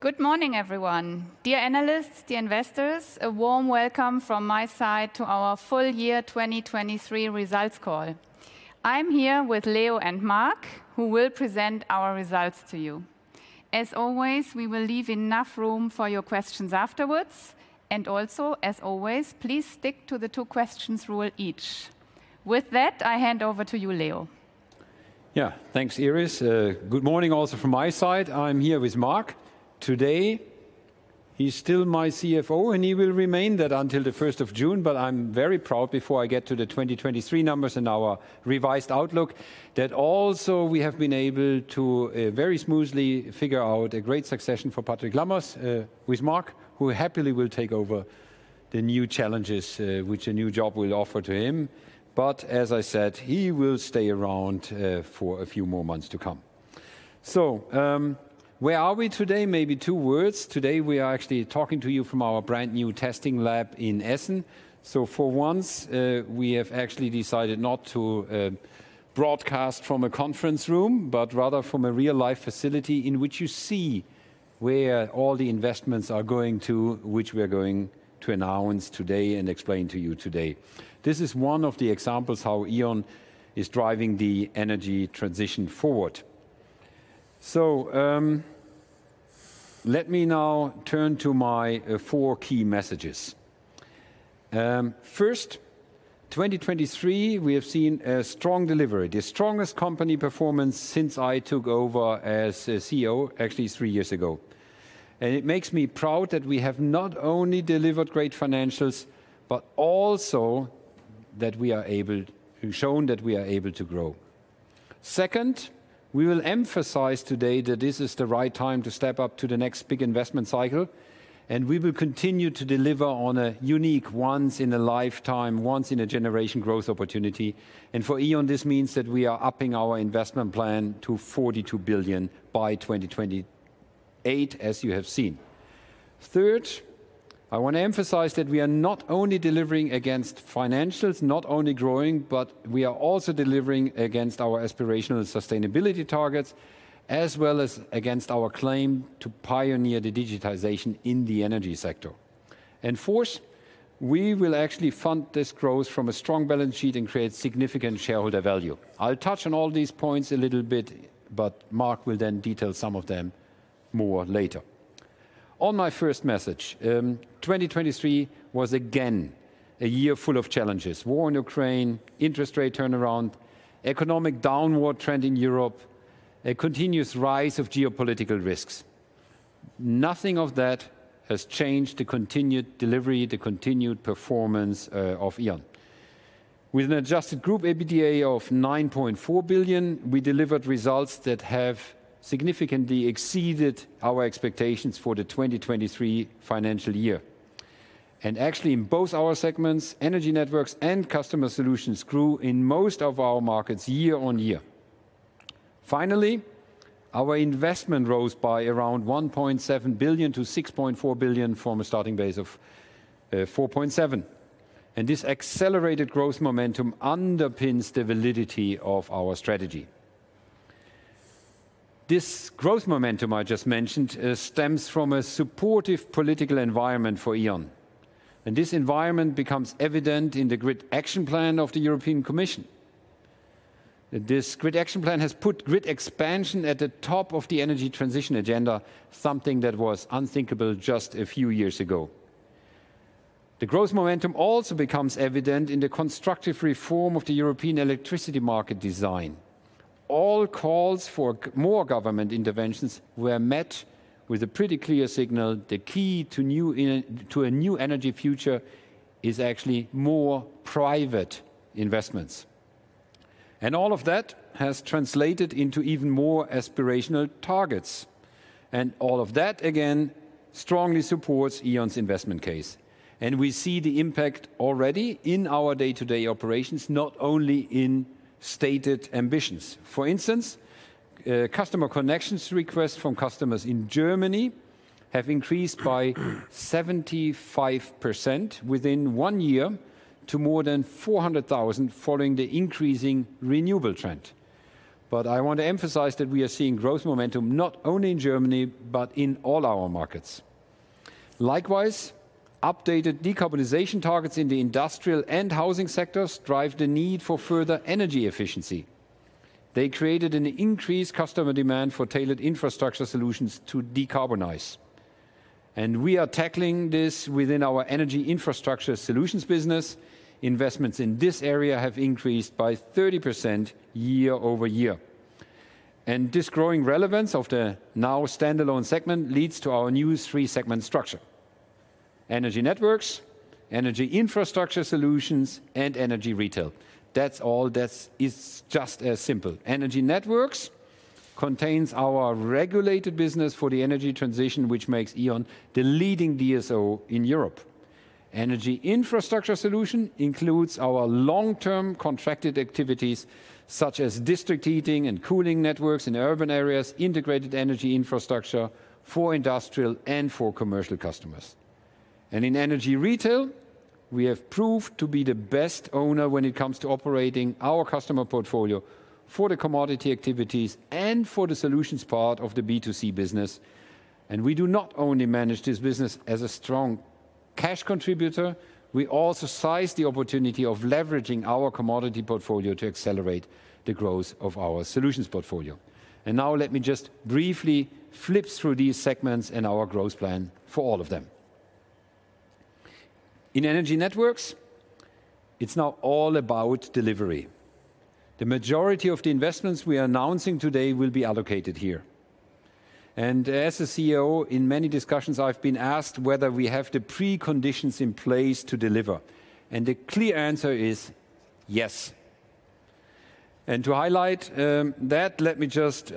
Good morning, everyone. Dear analysts, dear investors, a warm welcome from my side to our full year 2023 results call. I'm here with Leo and Marc, who will present our results to you. As always, we will leave enough room for your questions afterwards. Also, as always, please stick to the two-question rule each. With that, I hand over to you, Leo. Yeah, thanks, Iris. Good morning also from my side. I'm here with Marc. Today, he's still my CFO, and he will remain that until the 1st of June. But I'm very proud, before I get to the 2023 numbers and our revised outlook, that also we have been able to very smoothly figure out a great succession for Patrick Lammers with Marc, who happily will take over the new challenges, which a new job will offer to him. But as I said, he will stay around for a few more months to come. So where are we today? Maybe two words. Today, we are actually talking to you from our brand new testing lab in Essen. So for once, we have actually decided not to broadcast from a conference room, but rather from a real-life facility in which you see where all the investments are going to, which we are going to announce today and explain to you today. This is one of the examples how E.ON is driving the energy transition forward. So let me now turn to my four key messages. First, 2023, we have seen a strong delivery, the strongest company performance since I took over as CEO, actually three years ago. It makes me proud that we have not only delivered great financials, but also that we are able shown that we are able to grow. Second, we will emphasize today that this is the right time to step up to the next big investment cycle. We will continue to deliver on a unique, once-in-a-lifetime, once-in-a-generation growth opportunity. For E.ON, this means that we are upping our investment plan to 42 billion by 2028, as you have seen. Third, I want to emphasize that we are not only delivering against financials, not only growing, but we are also delivering against our aspirational sustainability targets, as well as against our claim to pioneer the digitization in the energy sector. And fourth, we will actually fund this growth from a strong balance sheet and create significant shareholder value. I'll touch on all these points a little bit, but Marc will then detail some of them more later. On my first message, 2023 was again a year full of challenges: war in Ukraine, interest rate turnaround, economic downward trend in Europe, a continuous rise of geopolitical risks. Nothing of that has changed the continued delivery, the continued performance of E.ON. With an adjusted group EBITDA of 9.4 billion, we delivered results that have significantly exceeded our expectations for the 2023 financial year. Actually, in both our segments, energy networks and customer solutions grew in most of our markets year-over-year. Finally, our investment rose by around 1.7 billion to 6.4 billion from a starting base of 4.7 billion. This accelerated growth momentum underpins the validity of our strategy. This growth momentum I just mentioned stems from a supportive political environment for E.ON. This environment becomes evident in the Grid Action Plan of the European Commission. This Grid Action Plan has put grid expansion at the top of the energy transition agenda, something that was unthinkable just a few years ago. The growth momentum also becomes evident in the constructive reform of the European electricity market design. All calls for more government interventions were met with a pretty clear signal: the key to a new energy future is actually more private investments. And all of that has translated into even more aspirational targets. And all of that, again, strongly supports E.ON's investment case. And we see the impact already in our day-to-day operations, not only in stated ambitions. For instance, customer connection requests from customers in Germany have increased by 75% within one year to more than 400,000 following the increasing renewable trend. But I want to emphasize that we are seeing growth momentum not only in Germany, but in all our markets. Likewise, updated decarbonization targets in the industrial and housing sectors drive the need for further energy efficiency. They created an increased customer demand for tailored infrastructure solutions to decarbonize. And we are tackling this within our energy infrastructure solutions business. Investments in this area have increased by 30% year-over-year. This growing relevance of the now standalone segment leads to our new three-segment structure: energy networks, energy infrastructure solutions, and energy retail. That's all. That is just as simple. Energy networks contains our regulated business for the energy transition, which makes E.ON the leading DSO in Europe. Energy infrastructure solution includes our long-term contracted activities, such as district heating and cooling networks in urban areas, integrated energy infrastructure for industrial and for commercial customers. In energy retail, we have proved to be the best owner when it comes to operating our customer portfolio for the commodity activities and for the solutions part of the B2C business. We do not only manage this business as a strong cash contributor, we also size the opportunity of leveraging our commodity portfolio to accelerate the growth of our solutions portfolio. And now let me just briefly flip through these segments and our growth plan for all of them. In Energy Networks, it's now all about delivery. The majority of the investments we are announcing today will be allocated here. As a CEO, in many discussions, I've been asked whether we have the preconditions in place to deliver. The clear answer is yes. To highlight that, let me just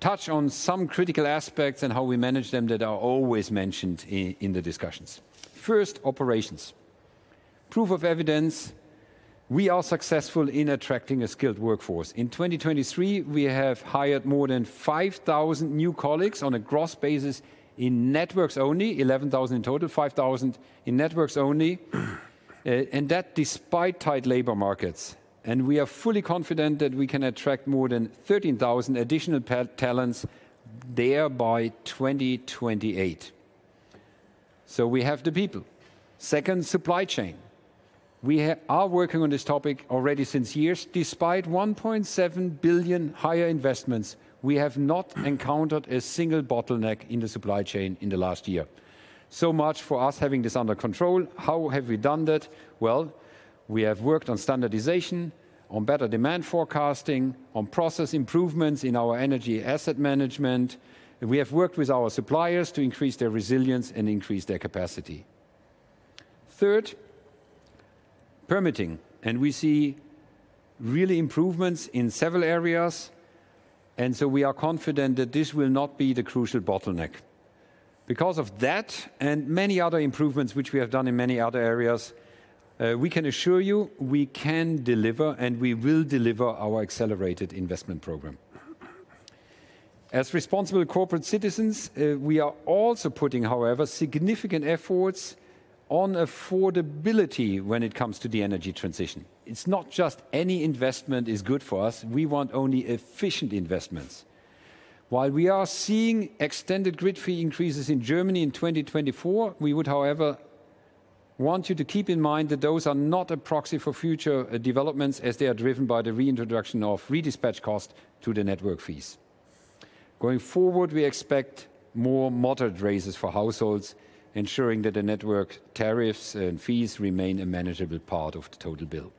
touch on some critical aspects and how we manage them that are always mentioned in the discussions. First, operations. Proof of evidence: we are successful in attracting a skilled workforce. In 2023, we have hired more than 5,000 new colleagues on a gross basis in networks only, 11,000 in total, 5,000 in networks only. That despite tight labor markets. We are fully confident that we can attract more than 13,000 additional talents there by 2028. So we have the people. Second, supply chain. We are working on this topic already since years. Despite 1.7 billion higher investments, we have not encountered a single bottleneck in the supply chain in the last year. So much for us having this under control. How have we done that? Well, we have worked on standardization, on better demand forecasting, on process improvements in our energy asset management. We have worked with our suppliers to increase their resilience and increase their capacity. Third, permitting. And we see really improvements in several areas. And so we are confident that this will not be the crucial bottleneck. Because of that and many other improvements which we have done in many other areas, we can assure you we can deliver and we will deliver our accelerated investment program. As responsible corporate citizens, we are also putting, however, significant efforts on affordability when it comes to the energy transition. It's not just any investment is good for us. We want only efficient investments. While we are seeing extended grid fee increases in Germany in 2024, we would, however, want you to keep in mind that those are not a proxy for future developments as they are driven by the reintroduction of redispatch costs to the network fees. Going forward, we expect more moderate raises for households, ensuring that the network tariffs and fees remain a manageable part of the total bill.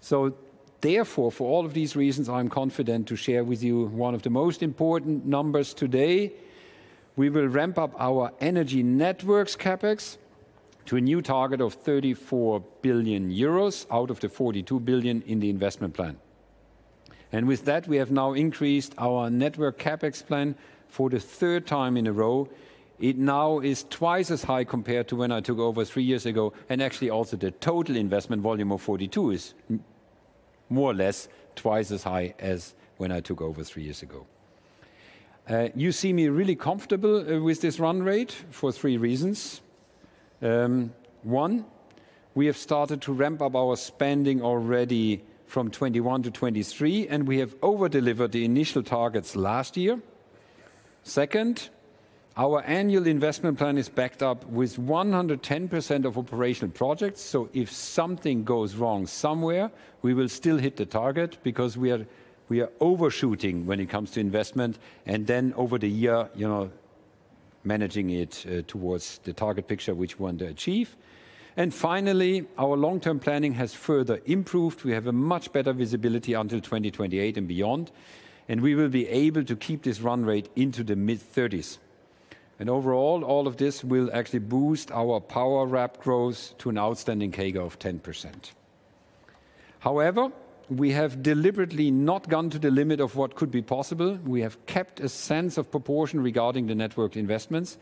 So therefore, for all of these reasons, I'm confident to share with you one of the most important numbers today. We will ramp up our energy networks CapEx to a new target of 34 billion euros out of the 42 billion in the investment plan. With that, we have now increased our network CapEx plan for the third time in a row. It now is twice as high compared to when I took over three years ago. And actually, also the total investment volume of 42 is more or less twice as high as when I took over three years ago. You see me really comfortable with this run rate for three reasons. One, we have started to ramp up our spending already from 2021 to 2023, and we have overdelivered the initial targets last year. Second, our annual investment plan is backed up with 110% of operational projects. So if something goes wrong somewhere, we will still hit the target because we are overshooting when it comes to investment and then over the year, you know, managing it towards the target picture which we want to achieve. Finally, our long-term planning has further improved. We have a much better visibility until 2028 and beyond. We will be able to keep this run rate into the mid-30s. Overall, all of this will actually boost our power RAB growth to an outstanding CAGR of 10%. However, we have deliberately not gone to the limit of what could be possible. We have kept a sense of proportion regarding the network investments.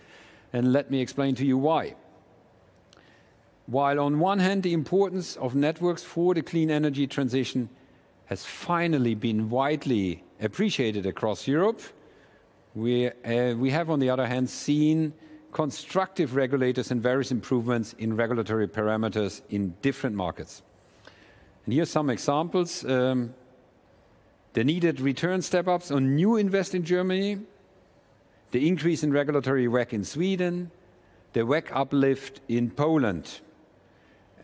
Let me explain to you why. While on one hand, the importance of networks for the clean energy transition has finally been widely appreciated across Europe, we have, on the other hand, seen constructive regulators and various improvements in regulatory parameters in different markets. Here are some examples: the needed return step-ups on new investments in Germany, the increase in regulatory WACC in Sweden, the WACC uplift in Poland.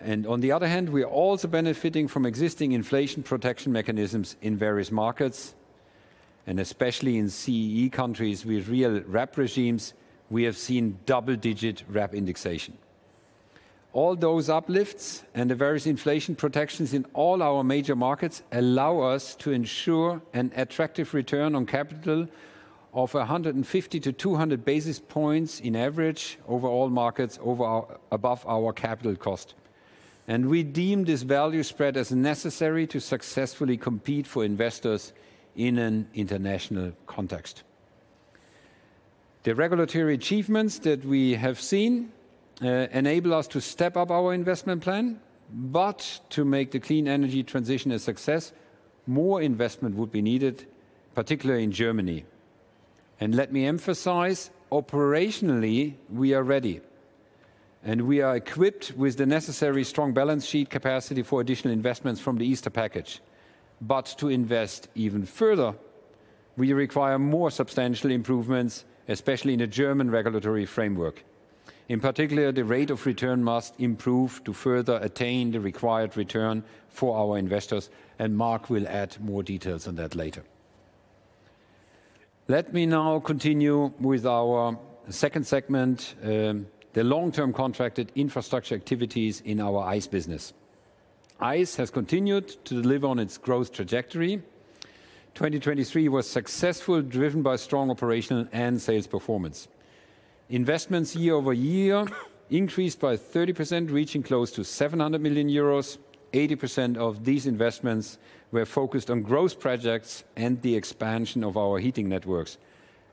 On the other hand, we are also benefiting from existing inflation protection mechanisms in various markets. Especially in CEE countries with real RAB regimes, we have seen double-digit RAB indexation. All those uplifts and the various inflation protections in all our major markets allow us to ensure an attractive return on capital of 150-200 basis points on average over all markets above our capital cost. We deem this value spread as necessary to successfully compete for investors in an international context. The regulatory achievements that we have seen enable us to step up our investment plan. But to make the clean energy transition a success, more investment would be needed, particularly in Germany. Let me emphasize, operationally, we are ready. We are equipped with the necessary strong balance sheet capacity for additional investments from the Easter Package. But to invest even further, we require more substantial improvements, especially in the German regulatory framework. In particular, the rate of return must improve to further attain the required return for our investors. And Marc will add more details on that later. Let me now continue with our second segment, the long-term contracted infrastructure activities in our EIS business. EIS has continued to deliver on its growth trajectory. 2023 was successful, driven by strong operational and sales performance. Investments year-over-year increased by 30%, reaching close to 700 million euros. 80% of these investments were focused on growth projects and the expansion of our heating networks,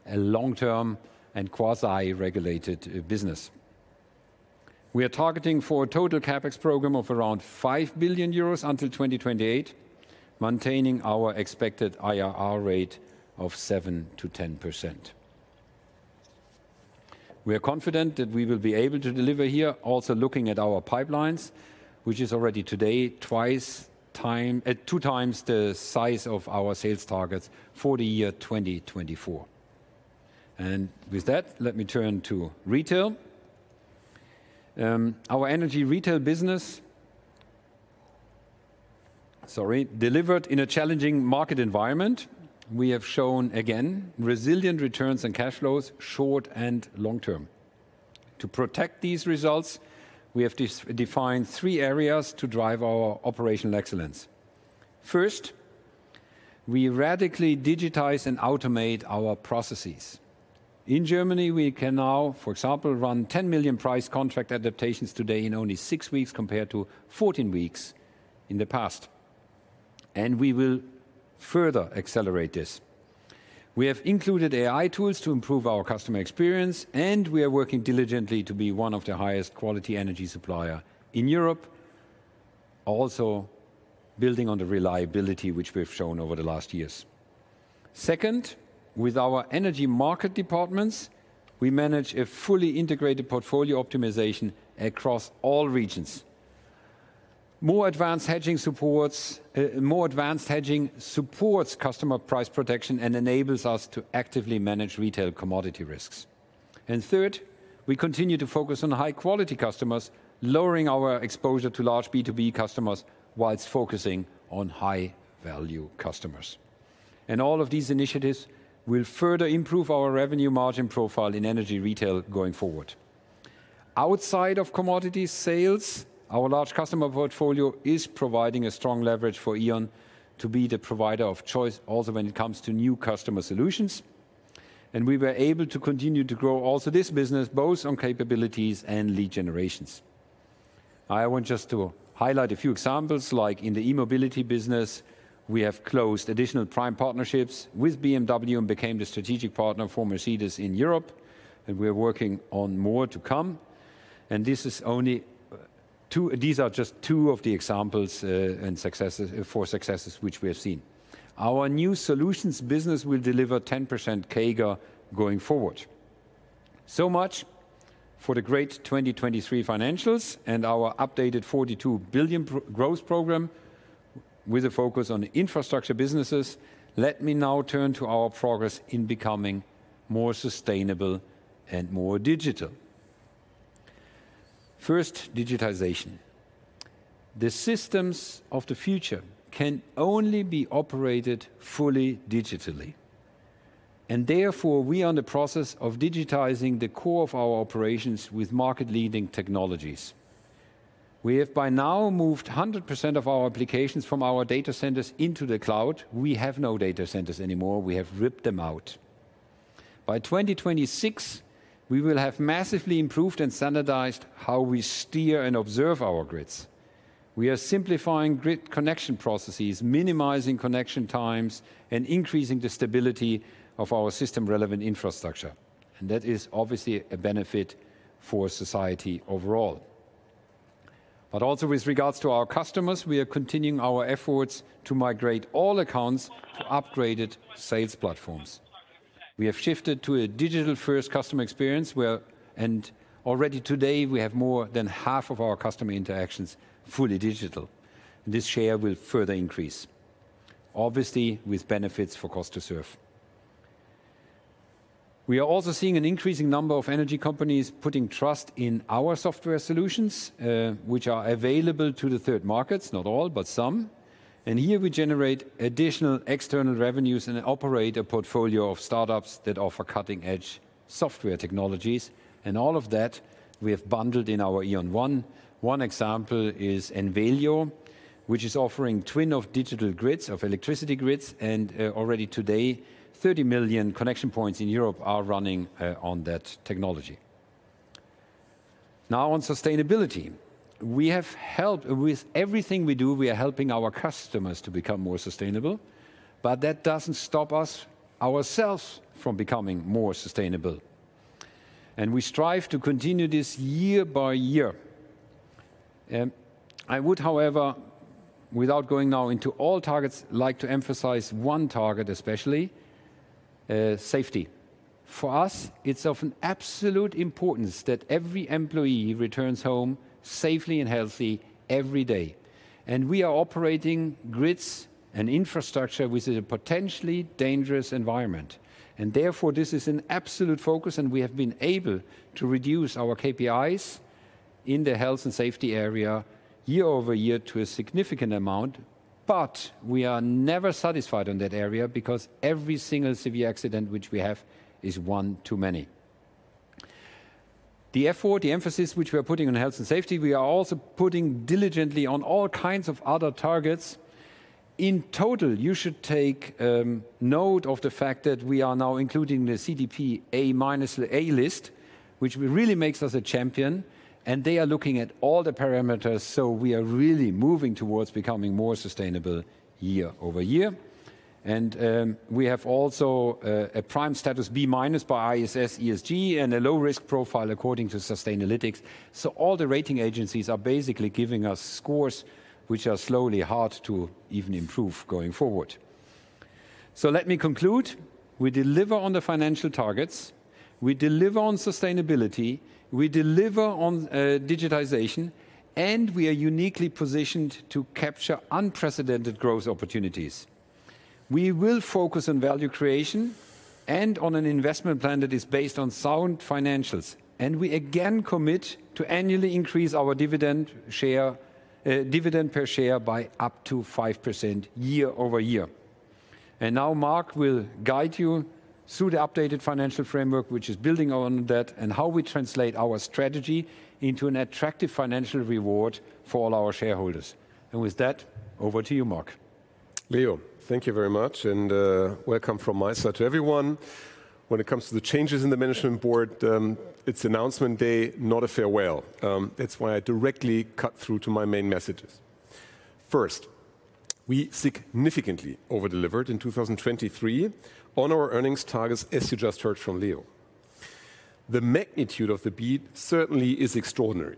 a long-term and quasi-regulated business. We are targeting for a total CapEx program of around 5 billion euros until 2028, maintaining our expected IRR rate of 7%-10%. We are confident that we will be able to deliver here, also looking at our pipelines, which is already today twice time at two times the size of our sales targets for the year 2024. And with that, let me turn to retail. Our energy retail business, sorry, delivered in a challenging market environment. We have shown, again, resilient returns and cash flows, short and long-term. To protect these results, we have defined three areas to drive our operational excellence. First, we radically digitize and automate our processes. In Germany, we can now, for example, run 10 million price contract adaptations today in only six weeks compared to 14 weeks in the past. And we will further accelerate this. We have included AI tools to improve our customer experience, and we are working diligently to be one of the highest quality energy suppliers in Europe, also building on the reliability which we have shown over the last years. Second, with our energy market departments, we manage a fully integrated portfolio optimization across all regions. More advanced hedging supports customer price protection and enables us to actively manage retail commodity risks. And third, we continue to focus on high-quality customers, lowering our exposure to large B2B customers while focusing on high-value customers. And all of these initiatives will further improve our revenue margin profile in energy retail going forward. Outside of commodity sales, our large customer portfolio is providing a strong leverage for E.ON to be the provider of choice also when it comes to new customer solutions. We were able to continue to grow also this business, both on capabilities and lead generations. I want just to highlight a few examples. Like in the e-mobility business, we have closed additional prime partnerships with BMW and became the strategic partner for Mercedes in Europe. We are working on more to come. This is only two these are just two of the examples and successes for successes which we have seen. Our new solutions business will deliver 10% CAGR going forward. So much for the great 2023 financials and our updated 42 billion growth program with a focus on infrastructure businesses. Let me now turn to our progress in becoming more sustainable and more digital. First, digitization. The systems of the future can only be operated fully digitally. Therefore, we are in the process of digitizing the core of our operations with market-leading technologies. We have by now moved 100% of our applications from our data centers into the cloud. We have no data centers anymore. We have ripped them out. By 2026, we will have massively improved and standardized how we steer and observe our grids. We are simplifying grid connection processes, minimizing connection times, and increasing the stability of our system-relevant infrastructure. And that is obviously a benefit for society overall. But also with regards to our customers, we are continuing our efforts to migrate all accounts to upgraded sales platforms. We have shifted to a digital-first customer experience where, and already today, we have more than half of our customer interactions fully digital. And this share will further increase, obviously with benefits for cost to serve. We are also seeing an increasing number of energy companies putting trust in our software solutions, which are available to the third markets, not all, but some. Here, we generate additional external revenues and operate a portfolio of startups that offer cutting-edge software technologies. All of that, we have bundled in our E.ON One. One example is Envelio, which is offering a twin of digital grids, of electricity grids. And already today, 30 million connection points in Europe are running on that technology. Now on sustainability. We have helped with everything we do; we are helping our customers to become more sustainable. But that doesn't stop us ourselves from becoming more sustainable. We strive to continue this year by year. I would, however, without going now into all targets, like to emphasize one target especially: safety. For us, it's of absolute importance that every employee returns home safely and healthy every day. We are operating grids and infrastructure within a potentially dangerous environment. Therefore, this is an absolute focus. We have been able to reduce our KPIs in the health and safety area year-over-year to a significant amount. But we are never satisfied on that area because every single severe accident which we have is one too many. The effort, the emphasis which we are putting on health and safety, we are also putting diligently on all kinds of other targets. In total, you should take note of the fact that we are now including the CDP A-list, which really makes us a champion. They are looking at all the parameters. We are really moving towards becoming more sustainable year-over-year. We have also a prime status B-minus by ISS ESG and a low-risk profile according to Sustainalytics. All the rating agencies are basically giving us scores which are slowly hard to even improve going forward. Let me conclude. We deliver on the financial targets. We deliver on sustainability. We deliver on digitization. We are uniquely positioned to capture unprecedented growth opportunities. We will focus on value creation and on an investment plan that is based on sound financials. We again commit to annually increase our dividend share dividend per share by up to 5% year-over-year. Now Marc will guide you through the updated financial framework, which is building on that, and how we translate our strategy into an attractive financial reward for all our shareholders. With that, over to you, Marc. Leo, thank you very much. And welcome from my side to everyone. When it comes to the changes in the management board, it's announcement day, not a farewell. That's why I directly cut through to my main messages. First, we significantly overdelivered in 2023 on our earnings targets, as you just heard from Leo. The magnitude of the beat certainly is extraordinary.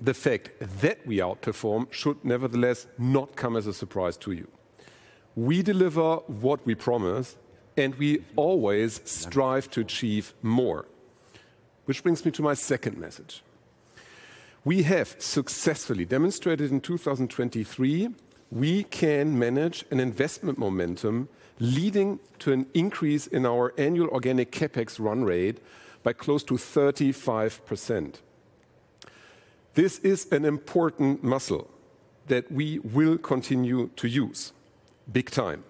The fact that we outperform should nevertheless not come as a surprise to you. We deliver what we promise, and we always strive to achieve more. Which brings me to my second message. We have successfully demonstrated in 2023 we can manage an investment momentum leading to an increase in our annual organic CapEx run rate by close to 35%. This is an important muscle that we will continue to use, big time.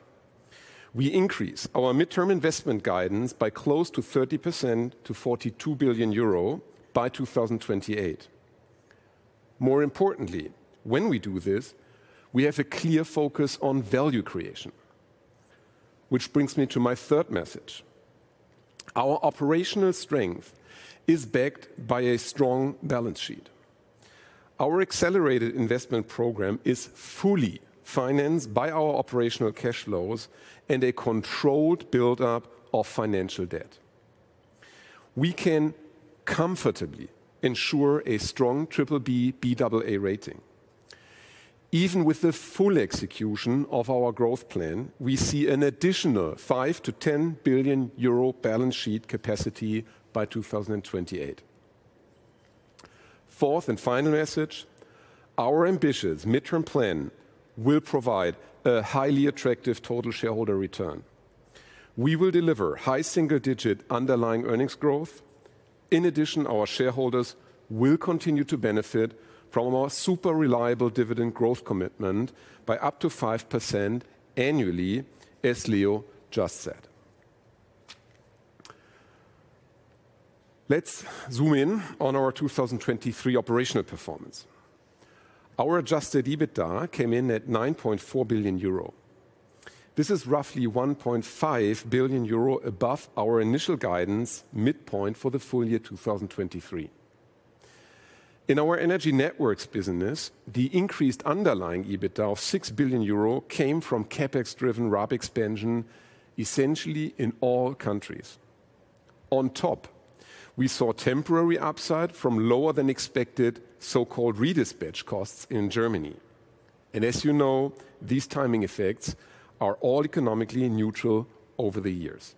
We increase our midterm investment guidance by close to 30% to 42 billion euro by 2028. More importantly, when we do this, we have a clear focus on value creation. Which brings me to my third message. Our operational strength is backed by a strong balance sheet. Our accelerated investment program is fully financed by our operational cash flows and a controlled buildup of financial debt. We can comfortably ensure a strong BBB/BAA rating. Even with the full execution of our growth plan, we see an additional 5 billion-10 billion euro balance sheet capacity by 2028. Fourth and final message. Our ambitious midterm plan will provide a highly attractive total shareholder return. We will deliver high single-digit underlying earnings growth. In addition, our shareholders will continue to benefit from our super reliable dividend growth commitment by up to 5% annually, as Leo just said. Let's zoom in on our 2023 operational performance. Our Adjusted EBITDA came in at 9.4 billion euro. This is roughly 1.5 billion euro above our initial guidance midpoint for the full year 2023. In our energy networks business, the increased underlying EBITDA of 6 billion euro came from CapEx-driven RAB expansion essentially in all countries. On top, we saw temporary upside from lower-than-expected so-called redispatch costs in Germany. And as you know, these timing effects are all economically neutral over the years.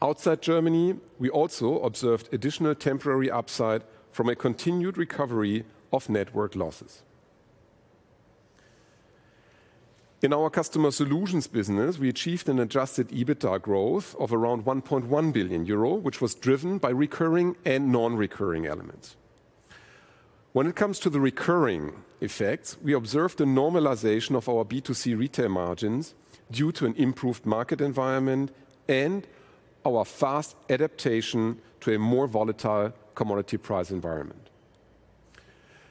Outside Germany, we also observed additional temporary upside from a continued recovery of network losses. In our customer solutions business, we achieved an adjusted EBITDA growth of around 1.1 billion euro, which was driven by recurring and non-recurring elements. When it comes to the recurring effects, we observed a normalization of our B2C retail margins due to an improved market environment and our fast adaptation to a more volatile commodity price environment.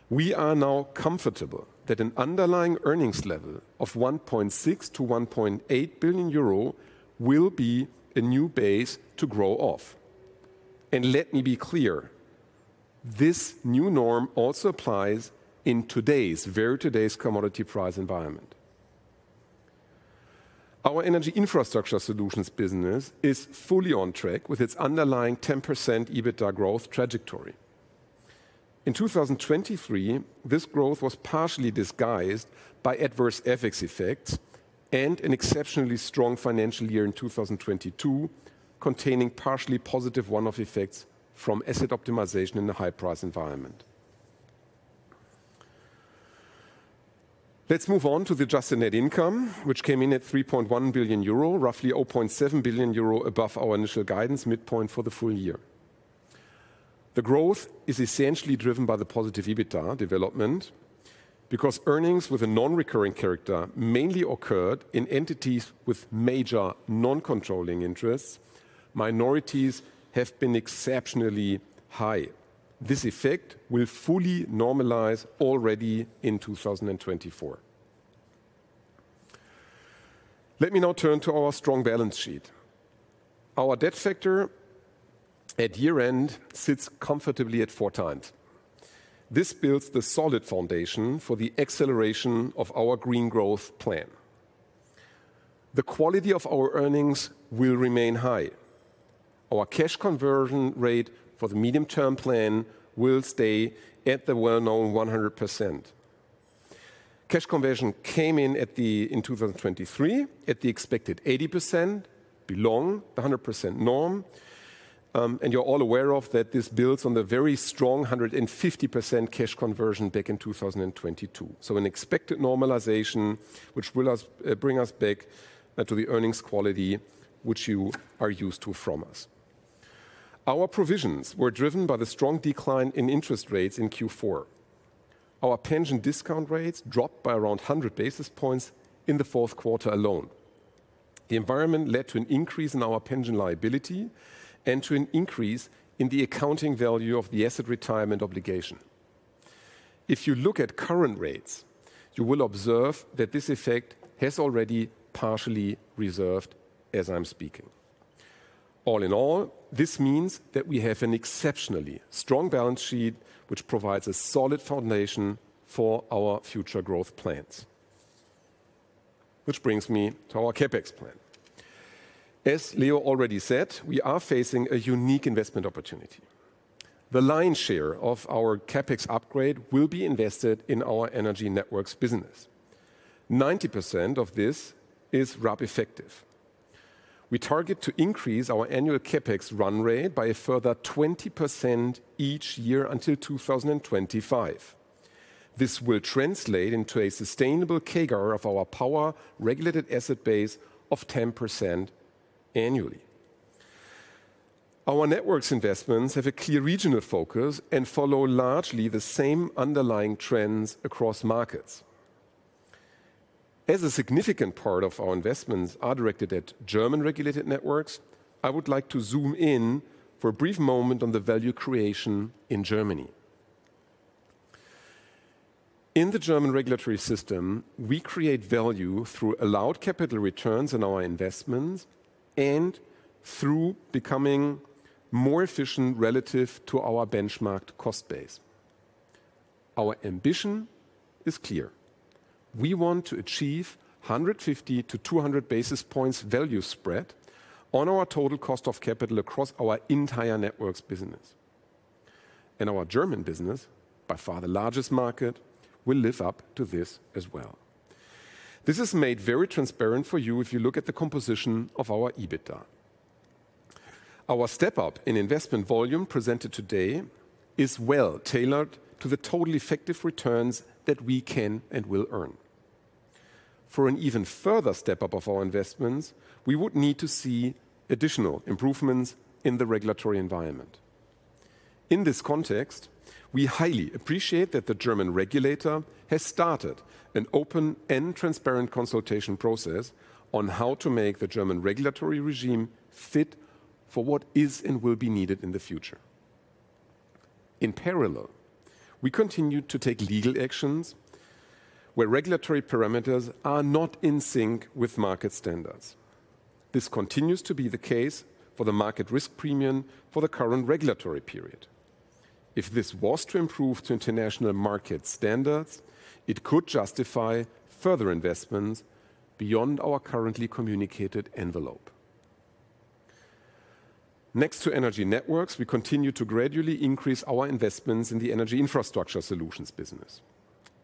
We are now comfortable that an underlying earnings level of 1.6 billion-1.8 billion euro will be a new base to grow off. Let me be clear. This new norm also applies in today's very volatile commodity price environment. Our Energy Infrastructure Solutions business is fully on track with its underlying 10% EBITDA growth trajectory. In 2023, this growth was partially disguised by adverse FX effects and an exceptionally strong financial year in 2022, containing partially positive one-off effects from asset optimization in the high-price environment. Let's move on to the Adjusted Net Income, which came in at 3.1 billion euro, roughly 0.7 billion euro above our initial guidance midpoint for the full year. The growth is essentially driven by the positive EBITDA development because earnings with a non-recurring character mainly occurred in entities with major non-controlling interests. Minorities have been exceptionally high. This effect will fully normalize already in 2024. Let me now turn to our strong balance sheet. Our debt factor at year-end sits comfortably at 4x. This builds the solid foundation for the acceleration of our green growth plan. The quality of our earnings will remain high. Our cash conversion rate for the medium-term plan will stay at the well-known 100%. Cash conversion came in at 80% in 2023 at the expected 80%, below the 100% norm. And you're all aware that this builds on the very strong 150% cash conversion back in 2022. So an expected normalization, which will bring us back to the earnings quality which you are used to from us. Our provisions were driven by the strong decline in interest rates in Q4. Our pension discount rates dropped by around 100 basis points in the fourth quarter alone. The environment led to an increase in our pension liability and to an increase in the accounting value of the asset retirement obligation. If you look at current rates, you will observe that this effect has already partially reserved as I'm speaking. All in all, this means that we have an exceptionally strong balance sheet, which provides a solid foundation for our future growth plans. Which brings me to our CapEx plan. As Leo already said, we are facing a unique investment opportunity. The lion's share of our CapEx upgrade will be invested in our energy networks business. 90% of this is RAB effective. We target to increase our annual CapEx run rate by a further 20% each year until 2025. This will translate into a sustainable CAGR of our power regulated asset base of 10% annually. Our networks investments have a clear regional focus and follow largely the same underlying trends across markets. As a significant part of our investments are directed at German regulated networks, I would like to zoom in for a brief moment on the value creation in Germany. In the German regulatory system, we create value through allowed capital returns in our investments and through becoming more efficient relative to our benchmarked cost base. Our ambition is clear. We want to achieve 150-200 basis points value spread on our total cost of capital across our entire networks business. Our German business, by far the largest market, will live up to this as well. This is made very transparent for you if you look at the composition of our EBITDA. Our step-up in investment volume presented today is well tailored to the totally effective returns that we can and will earn. For an even further step-up of our investments, we would need to see additional improvements in the regulatory environment. In this context, we highly appreciate that the German regulator has started an open and transparent consultation process on how to make the German regulatory regime fit for what is and will be needed in the future. In parallel, we continue to take legal actions where regulatory parameters are not in sync with market standards. This continues to be the case for the market risk premium for the current regulatory period. If this was to improve to international market standards, it could justify further investments beyond our currently communicated envelope. Next to energy networks, we continue to gradually increase our investments in the energy infrastructure solutions business.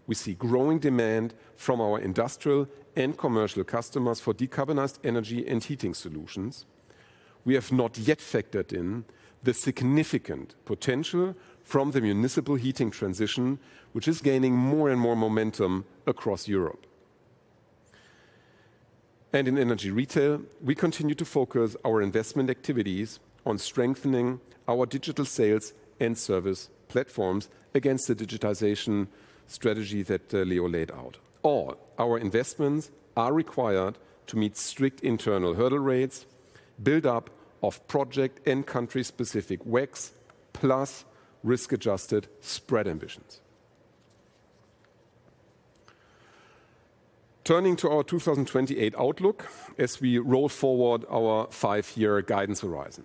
We see growing demand from our industrial and commercial customers for decarbonized energy and heating solutions. We have not yet factored in the significant potential from the municipal heating transition, which is gaining more and more momentum across Europe. In energy retail, we continue to focus our investment activities on strengthening our digital sales and service platforms against the digitization strategy that Leo laid out. All our investments are required to meet strict internal hurdle rates, build-up of project and country-specific WACC, plus risk-adjusted spread ambitions. Turning to our 2028 outlook as we roll forward our five-year guidance horizon.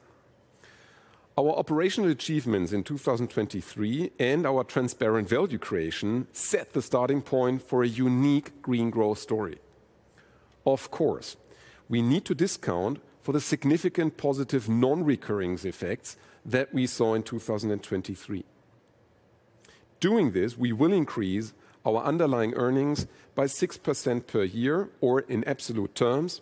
Our operational achievements in 2023 and our transparent value creation set the starting point for a unique green growth story. Of course, we need to discount for the significant positive non-recurring effects that we saw in 2023. Doing this, we will increase our underlying earnings by 6% per year, or in absolute terms,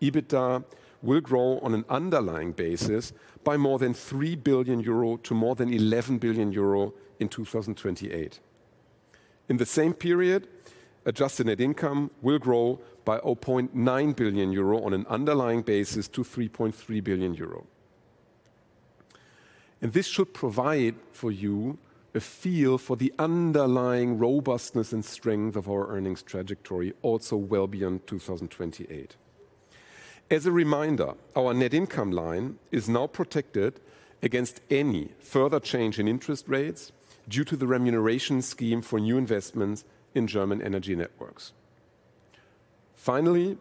EBITDA will grow on an underlying basis by more than 3 billion euro to more than 11 billion euro in 2028. In the same period, adjusted net income will grow by 0.9 billion euro on an underlying basis to 3.3 billion euro. This should provide for you a feel for the underlying robustness and strength of our earnings trajectory, also well beyond 2028. As a reminder, our net income line is now protected against any further change in interest rates due to the remuneration scheme for new investments in German energy networks. Finally,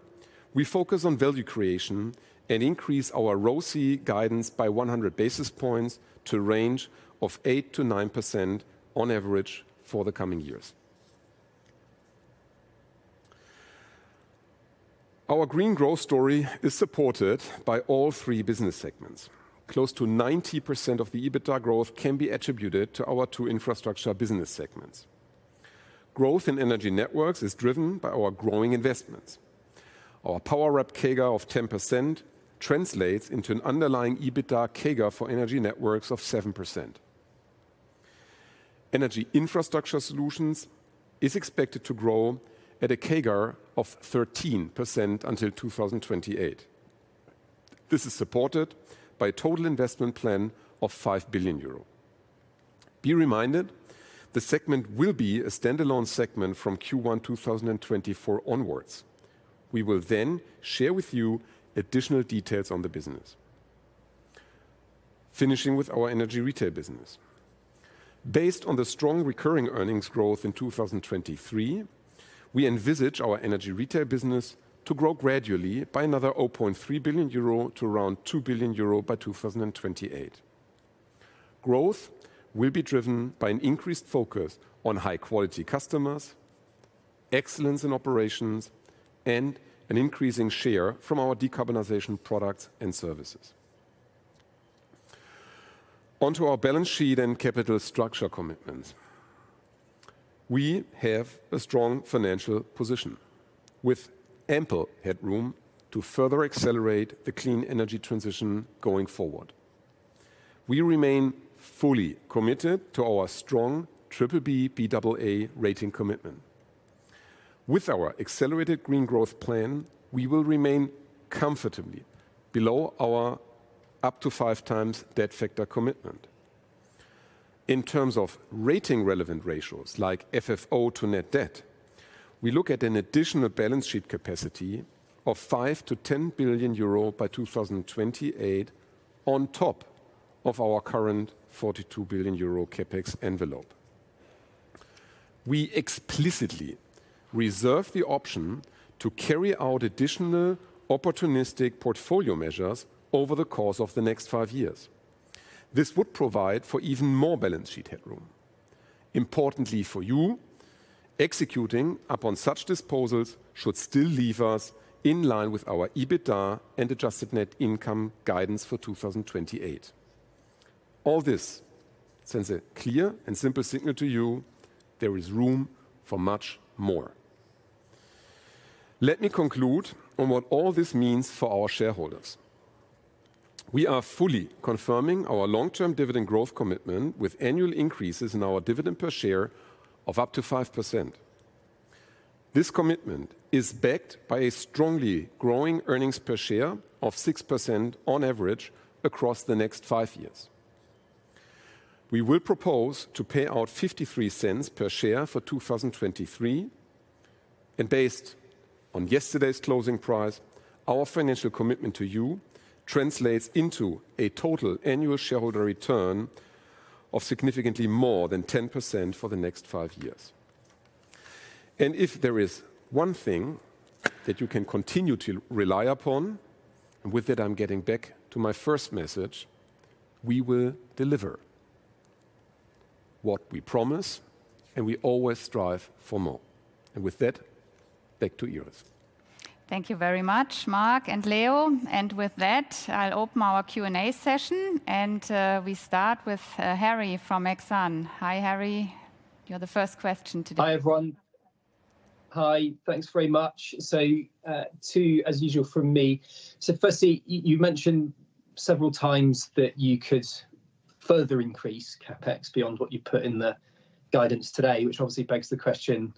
we focus on value creation and increase our ROCE guidance by 100 basis points to a range of 8%-9% on average for the coming years. Our green growth story is supported by all three business segments. Close to 90% of the EBITDA growth can be attributed to our two infrastructure business segments. Growth in energy networks is driven by our growing investments. Our power RAB CAGR of 10% translates into an underlying EBITDA CAGR for energy networks of 7%. Energy infrastructure solutions are expected to grow at a CAGR of 13% until 2028. This is supported by a total investment plan of 5 billion euro. Be reminded, the segment will be a standalone segment from Q1 2024 onwards. We will then share with you additional details on the business. Finishing with our energy retail business. Based on the strong recurring earnings growth in 2023, we envisage our energy retail business to grow gradually by another 0.3 billion euro to around 2 billion euro by 2028. Growth will be driven by an increased focus on high-quality customers, excellence in operations, and an increasing share from our decarbonization products and services. Onto our balance sheet and capital structure commitments. We have a strong financial position with ample headroom to further accelerate the clean energy transition going forward. We remain fully committed to our strong BBBA rating commitment. With our accelerated green growth plan, we will remain comfortably below our up to 5x debt factor commitment. In terms of rating relevant ratios like FFO to net debt, we look at an additional balance sheet capacity of 5 billion euro-EUR10 billion by 2028, on top of our current 42 billion euro CapEx envelope. We explicitly reserve the option to carry out additional opportunistic portfolio measures over the course of the next five years. This would provide for even more balance sheet headroom. Importantly for you, executing upon such disposals should still leave us in line with our EBITDA and adjusted net income guidance for 2028. All this sends a clear and simple signal to you. There is room for much more. Let me conclude on what all this means for our shareholders. We are fully confirming our long-term dividend growth commitment with annual increases in our dividend per share of up to 5%. This commitment is backed by a strongly growing earnings per share of 6% on average across the next five years. We will propose to pay out 0.53 per share for 2023. Based on yesterday's closing price, our financial commitment to you translates into a total annual shareholder return of significantly more than 10% for the next five years. If there is one thing that you can continue to rely upon, and with that I'm getting back to my first message, we will deliver what we promise, and we always strive for more. And with that, back to Iris. Thank you very much, Marc and Leo. And with that, I'll open our Q&A session and we start with Harry from Exane. Hi Harry, you're the first question today. Hi everyone. Hi. Thanks very much. So two, as usual from me. So firstly, you mentioned several times that you could further increase CapEx beyond what you put in the guidance today, which obviously begs the question,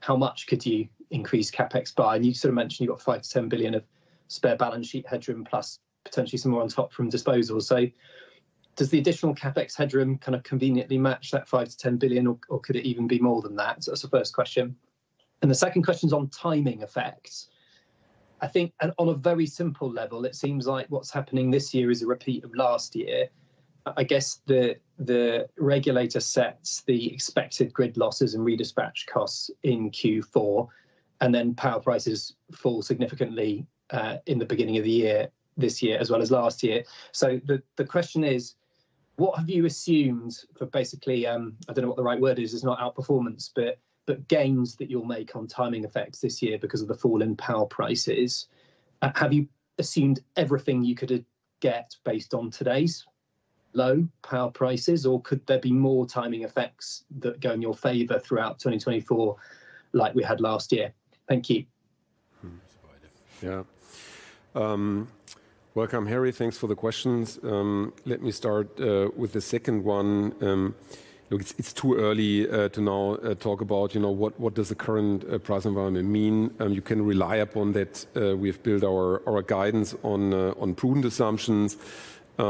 how much could you increase CapEx by? And you sort of mentioned you got 5 billion-10 billion of spare balance sheet headroom, plus potentially some more on top from disposals. So does the additional CapEx headroom kind of conveniently match that 5 billion-10 billion, or could it even be more than that? That's the first question. And the second question is on timing effects. I think, and on a very simple level, it seems like what's happening this year is a repeat of last year. I guess the regulator sets the expected grid losses and redispatch costs in Q4, and then power prices fall significantly in the beginning of the year this year, as well as last year. So the question is, what have you assumed for basically, I don't know what the right word is, is not outperformance, but gains that you'll make on timing effects this year because of the fall in power prices? Have you assumed everything you could get based on today's low power prices, or could there be more timing effects that go in your favor throughout 2024 like we had last year? Thank you. Survived. Yeah. Welcome, Harry. Thanks for the questions. Let me start with the second one. Look, it's too early to now talk about, you know, what does the current price environment mean? You can rely upon that. We have built our guidance on prudent assumptions. As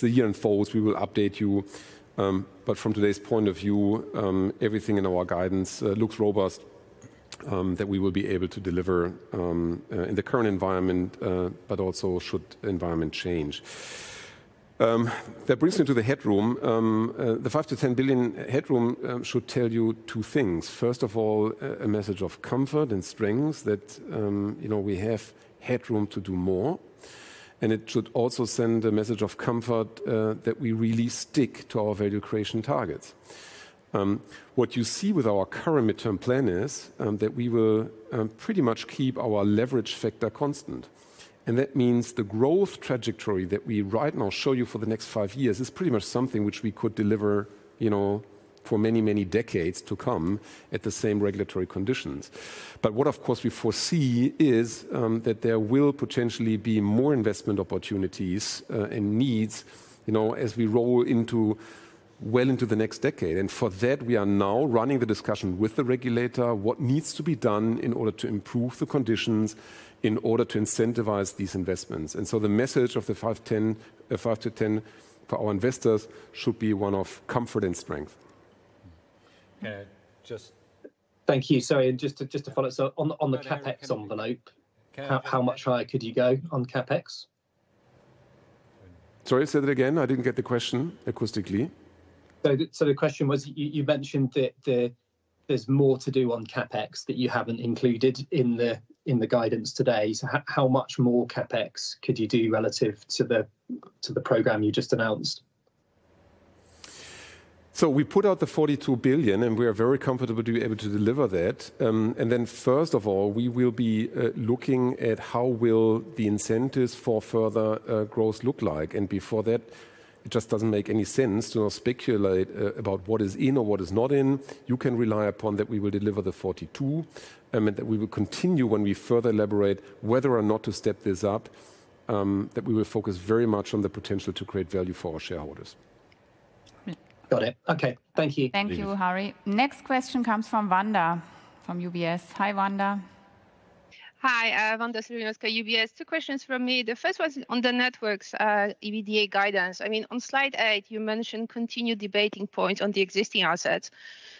the year unfolds, we will update you. From today's point of view, everything in our guidance looks robust that we will be able to deliver in the current environment, but also should the environment change. That brings me to the headroom. The 5 billion-10 billion headroom should tell you two things. First of all, a message of comfort and strength that, you know, we have headroom to do more. It should also send a message of comfort that we really stick to our value creation targets. What you see with our current midterm plan is that we will pretty much keep our leverage factor constant. And that means the growth trajectory that we right now show you for the next five years is pretty much something which we could deliver, you know, for many, many decades to come at the same regulatory conditions. But what, of course, we foresee is that there will potentially be more investment opportunities and needs, you know, as we roll into well into the next decade. And for that, we are now running the discussion with the regulator, what needs to be done in order to improve the conditions in order to incentivize these investments. And so the message of the 5-10 for our investors should be one of comfort and strength. Can I just. Thank you. Sorry. And just to follow up, so on the CapEx envelope, how much higher could you go on CapEx? Sorry, say that again. I didn't get the question acoustically. So the question was, you mentioned that there's more to do on CapEx that you haven't included in the guidance today. So how much more CapEx could you do relative to the program you just announced? So we put out the 42 billion, and we are very comfortable to be able to deliver that. And then first of all, we will be looking at how will the incentives for further growth look like? And before that, it just doesn't make any sense to speculate about what is in or what is not in. You can rely upon that we will deliver the 42 billion and that we will continue when we further elaborate whether or not to step this up, that we will focus very much on the potential to create value for our shareholders. Got it. Okay. Thank you. Thank you, Harry. Next question comes from Wanda from UBS. Hi Wanda. Hi Wanda Serwinowska, UBS. Two questions from me. The first was on the networks EBITDA guidance. I mean, on slide eight, you mentioned continued debating points on the existing assets.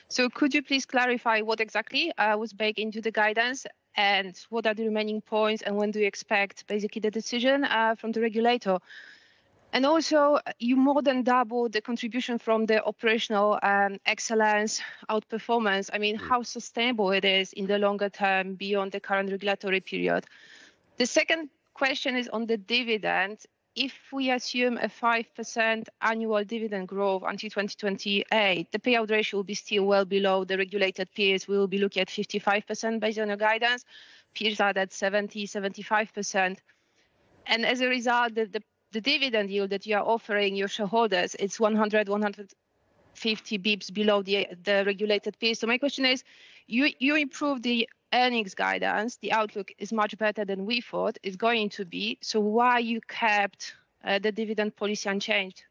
So could you please clarify what exactly was baked into the guidance and what are the remaining points and when do you expect basically the decision from the regulator? And also, you more than doubled the contribution from the operational excellence outperformance. I mean, how sustainable it is in the longer term beyond the current regulatory period. The second question is on the dividend. If we assume a 5% annual dividend growth until 2028, the payout ratio will be still well below the regulated peers. We will be looking at 55% based on your guidance. Peers are at 70%-75%. As a result, the dividend yield that you are offering your shareholders, it's 100-150 basis points below the regulated peers. So my question is, you improved the earnings guidance. The outlook is much better than we thought it's going to be. So why you kept the dividend policy unchanged?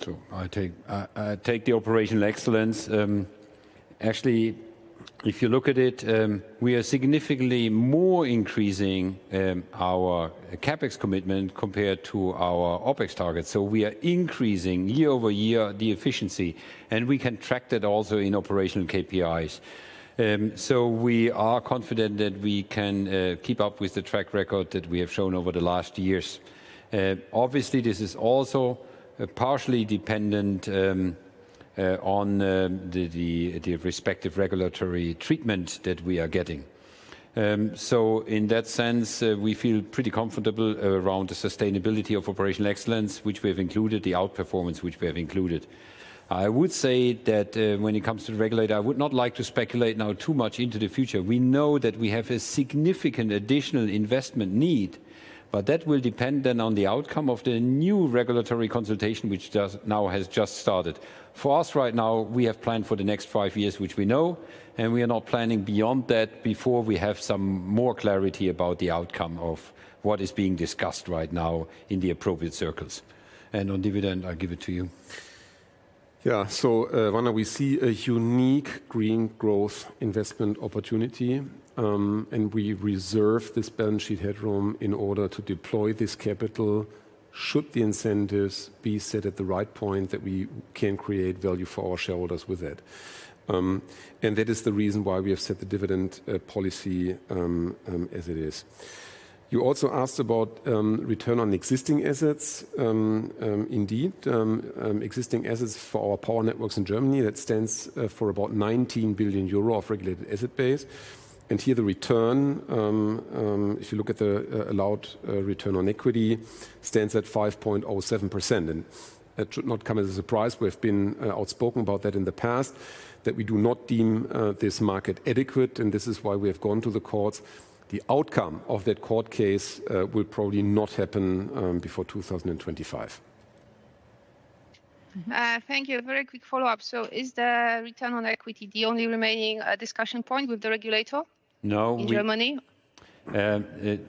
So I take the operational excellence. Actually, if you look at it, we are significantly more increasing our CapEx commitment compared to our OpEx targets. So we are increasing year-over-year the efficiency, and we can track that also in operational KPIs. So we are confident that we can keep up with the track record that we have shown over the last years. Obviously, this is also partially dependent on the respective regulatory treatment that we are getting. So in that sense, we feel pretty comfortable around the sustainability of operational excellence, which we have included, the outperformance which we have included. I would say that when it comes to the regulator, I would not like to speculate now too much into the future. We know that we have a significant additional investment need, but that will depend then on the outcome of the new regulatory consultation, which now has just started. For us right now, we have planned for the next five years, which we know, and we are not planning beyond that before we have some more clarity about the outcome of what is being discussed right now in the appropriate circles. And on dividend, I'll give it to you. Yeah. So Wanda, we see a unique green growth investment opportunity, and we reserve this balance sheet headroom in order to deploy this capital. Should the incentives be set at the right point that we can create value for our shareholders with that? And that is the reason why we have set the dividend policy as it is. You also asked about return on existing assets. Indeed, existing assets for our power networks in Germany, that stands for about 19 billion euro of regulated asset base. And here the return, if you look at the allowed return on equity, stands at 5.07%. And it should not come as a surprise. We have been outspoken about that in the past, that we do not deem this market adequate. And this is why we have gone to the courts. The outcome of that court case will probably not happen before 2025. Thank you. A very quick follow-up. So is the return on equity the only remaining discussion point with the regulator in Germany? No,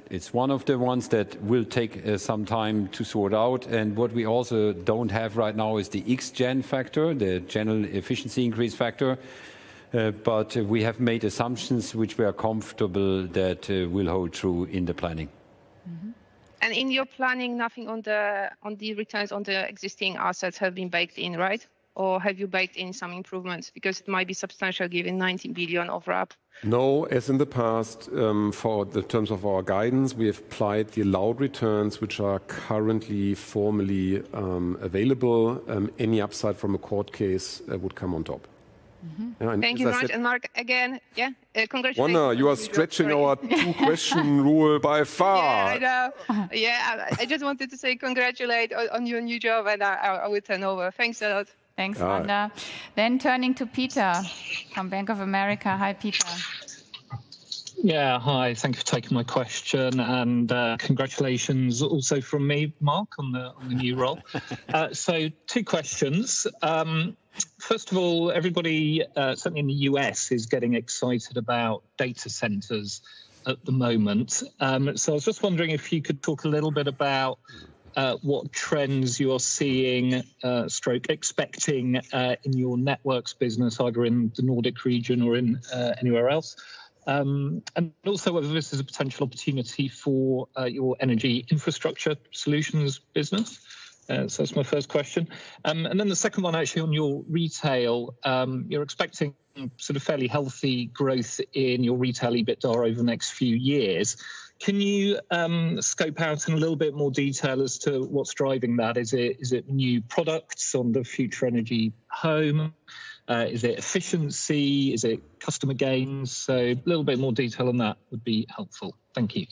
it's one of the ones that will take some time to sort out. What we also don't have right now is the X-gen factor, the general efficiency increase factor. But we have made assumptions which we are comfortable that will hold true in the planning. And in your planning, nothing on the returns on the existing assets have been baked in, right? Or have you baked in some improvements because it might be substantial given 19 billion overlap? No, as in the past, for the terms of our guidance, we have applied the allowed returns which are currently formally available. Any upside from a court case would come on top. Thank you, Marc. And Marc, again, yeah, congratulations. Wanda, you are stretching our two-question rule by far. Yeah, I just wanted to say congratulate on your new job, and I will turn over. Thanks a lot. Thanks, Wanda. Then turning to Peter from Bank of America. Hi Peter. Yeah. Hi. Thanks for taking my question. And congratulations also from me, Marc, on the new role. So two questions. First of all, everybody, certainly in the U.S., is getting excited about data centers at the moment. So I was just wondering if you could talk a little bit about what trends you are seeing or expecting in your networks business, either in the Nordic region or anywhere else. And also whether this is a potential opportunity for your energy infrastructure solutions business. So that's my first question. And then the second one, actually on your retail, you're expecting sort of fairly healthy growth in your retail EBITDA over the next few years. Can you scope out in a little bit more detail as to what's driving that? Is it new products on the future energy home? Is it efficiency? Is it customer gains? So a little bit more detail on that would be helpful. Thank you.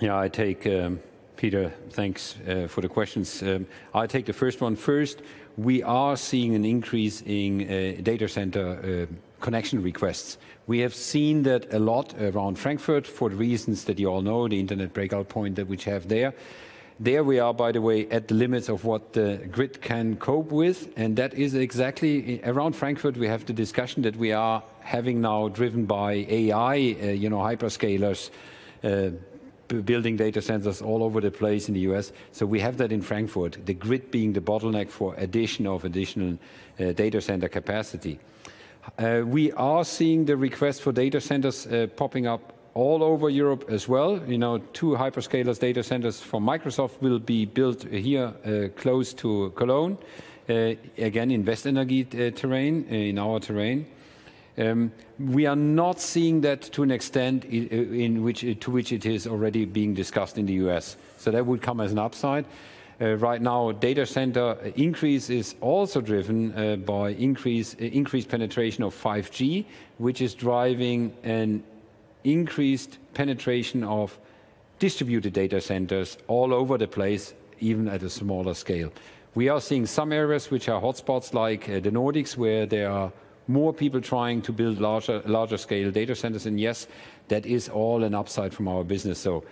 Yeah, I'll take, Peter, thanks for the questions. I'll take the first one first. We are seeing an increase in data center connection requests. We have seen that a lot around Frankfurt for the reasons that you all know, the internet exchange point that we have there. There we are, by the way, at the limits of what the grid can cope with. And that is exactly around Frankfurt, we have the discussion that we are having now driven by AI, you know, hyperscalers building data centers all over the place in the U.S. So we have that in Frankfurt, the grid being the bottleneck for addition of additional data center capacity. We are seeing the request for data centers popping up all over Europe as well. You know, two hyperscalers data centers for Microsoft will be built here close to Cologne, again, in Westenergie terrain, in our terrain. We are not seeing that to an extent to which it is already being discussed in the U.S. So that would come as an upside. Right now, data center increase is also driven by increased penetration of 5G, which is driving an increased penetration of distributed data centers all over the place, even at a smaller scale. We are seeing some areas which are hotspots like the Nordics where there are more people trying to build larger scale data centers. And yes, that is all an upside from our business. So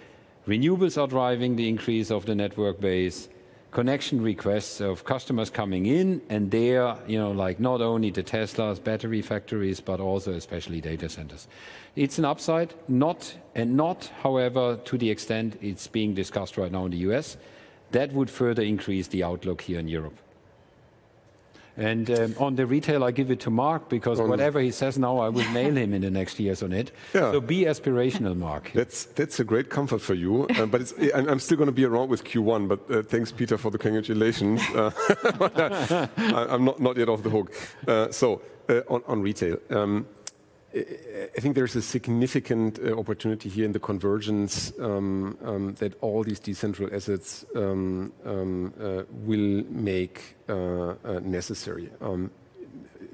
renewables are driving the increase of the network base, connection requests of customers coming in, and there, you know, like not only the Teslas, battery factories, but also especially data centers. It's an upside, not and not, however, to the extent it's being discussed right now in the US. That would further increase the outlook here in Europe. On the retail, I'll give it to Marc because whatever he says now, I will nail him in the next years on it. So be aspirational, Marc. That's a great comfort for you. But I'm still going to be around with Q1. But thanks, Peter, for the congratulations. I'm not yet off the hook. So on retail, I think there's a significant opportunity here in the convergence that all these decentral assets will make necessary.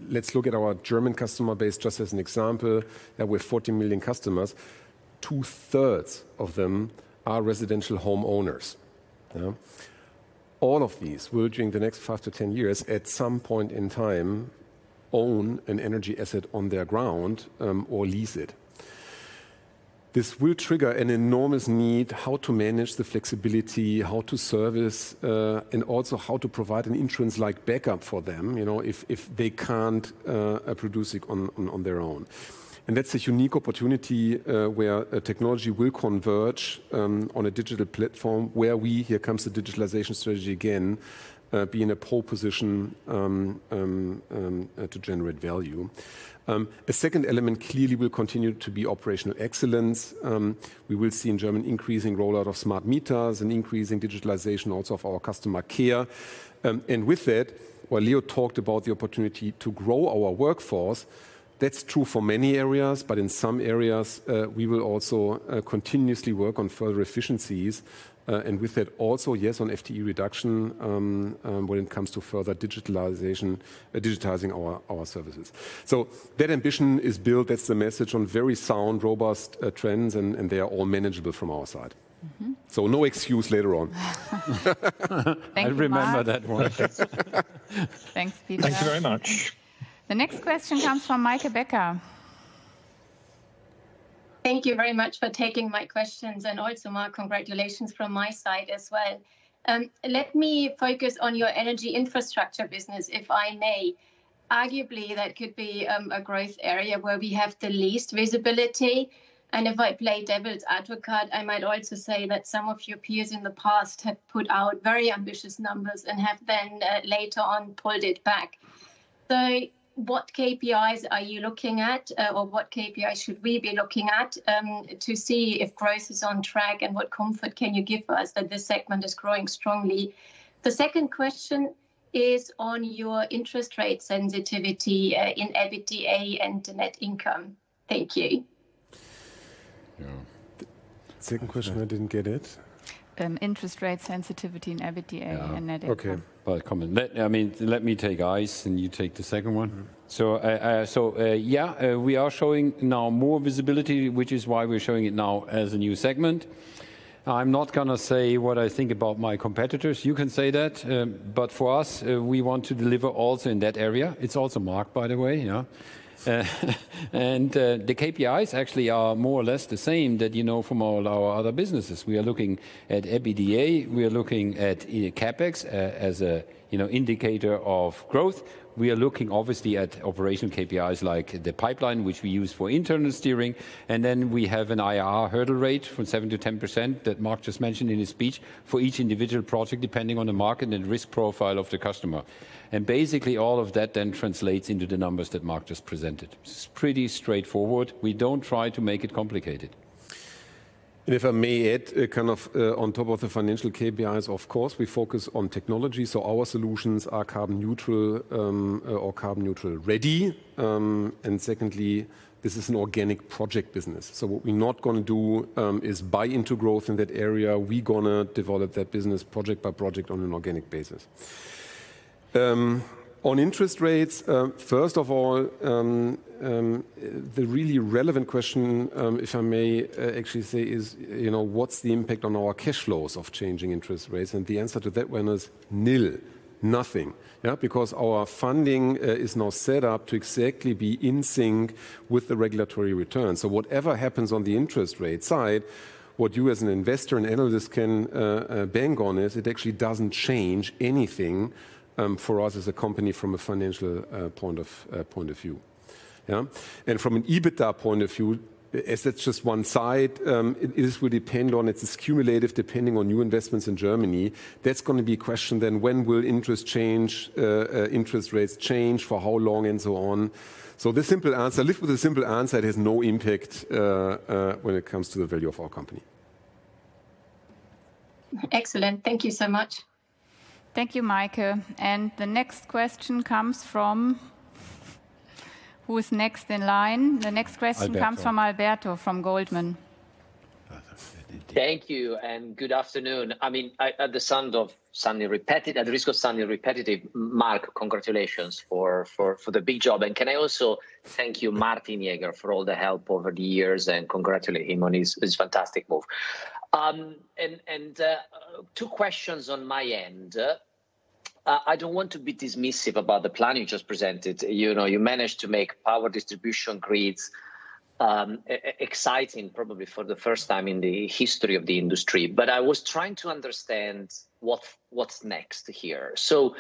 Let's look at our German customer base just as an example. We have 40 million customers. Two-thirds of them are residential homeowners. All of these will, during the next five-10 years, at some point in time, own an energy asset on their ground or lease it. This will trigger an enormous need how to manage the flexibility, how to service, and also how to provide an insurance-like backup for them, you know, if they can't produce it on their own. And that's a unique opportunity where technology will converge on a digital platform where we here comes the digitalization strategy again, be in a pole position to generate value. A second element clearly will continue to be operational excellence. We will see in Germany increasing rollout of smart meters and increasing digitalization also of our customer care. And with that, while Leo talked about the opportunity to grow our workforce, that's true for many areas. But in some areas, we will also continuously work on further efficiencies. And with that also, yes, on FTE reduction when it comes to further digitalization, digitizing our services. So that ambition is built. That's the message on very sound, robust trends, and they are all manageable from our side. So no excuse later on. Thank you. I remember that one. Thanks, Peter. Thank you very much. The next question comes from Meike Becker. Thank you very much for taking my questions. And also, Marc, congratulations from my side as well. Let me focus on your energy infrastructure business, if I may. Arguably, that could be a growth area where we have the least visibility. And if I play devil's advocate, I might also say that some of your peers in the past have put out very ambitious numbers and have then later on pulled it back. So what KPIs are you looking at, or what KPIs should we be looking at to see if growth is on track and what comfort can you give us that this segment is growing strongly? The second question is on your interest rate sensitivity in EBITDA and net income. Thank you. Yeah. Second question. I didn't get it. Interest rate sensitivity in EBITDA and net income. Okay. Well, I mean, let me take ICE and you take the second one. So yeah, we are showing now more visibility, which is why we're showing it now as a new segment. I'm not going to say what I think about my competitors. You can say that. But for us, we want to deliver also in that area. It's also Marc, by the way. And the KPIs actually are more or less the same that you know from all our other businesses. We are looking at EBITDA. We are looking at CapEx as an indicator of growth. We are looking, obviously, at operational KPIs like the pipeline, which we use for internal steering. And then we have an IRR hurdle rate of 7%-10% that Marc just mentioned in his speech for each individual project depending on the market and risk profile of the customer. And basically, all of that then translates into the numbers that Marc just presented. It's pretty straightforward. We don't try to make it complicated. And if I may add, kind of on top of the financial KPIs, of course, we focus on technology. So our solutions are carbon neutral or carbon neutral ready. And secondly, this is an organic project business. So what we're not going to do is buy into growth in that area. We're going to develop that business project by project on an organic basis. On interest rates, first of all, the really relevant question, if I may actually say, is what's the impact on our cash flows of changing interest rates? And the answer to that one is nil, nothing, because our funding is now set up to exactly be in sync with the regulatory return. So whatever happens on the interest rate side, what you as an investor and analyst can bang on is it actually doesn't change anything for us as a company from a financial point of view. And from an EBITDA point of view, as that's just one side, it will depend on its accumulative depending on new investments in Germany. That's going to be a question then. When will interest change, interest rates change for how long, and so on? So the simple answer, like with the simple answer, it has no impact when it comes to the value of our company. Excellent. Thank you so much. Thank you, Michael. And the next question comes from who's next in line. The next question comes from Alberto from Goldman. Thank you. And good afternoon. I mean, at the risk of sounding repetitive, Marc, congratulations for the big job. And can I also thank you, Martin Jaeger, for all the help over the years? And congratulate him on his fantastic move. And two questions on my end. I don't want to be dismissive about the plan you just presented. You managed to make power distribution grids exciting, probably for the first time in the history of the industry. But I was trying to understand what's next here. So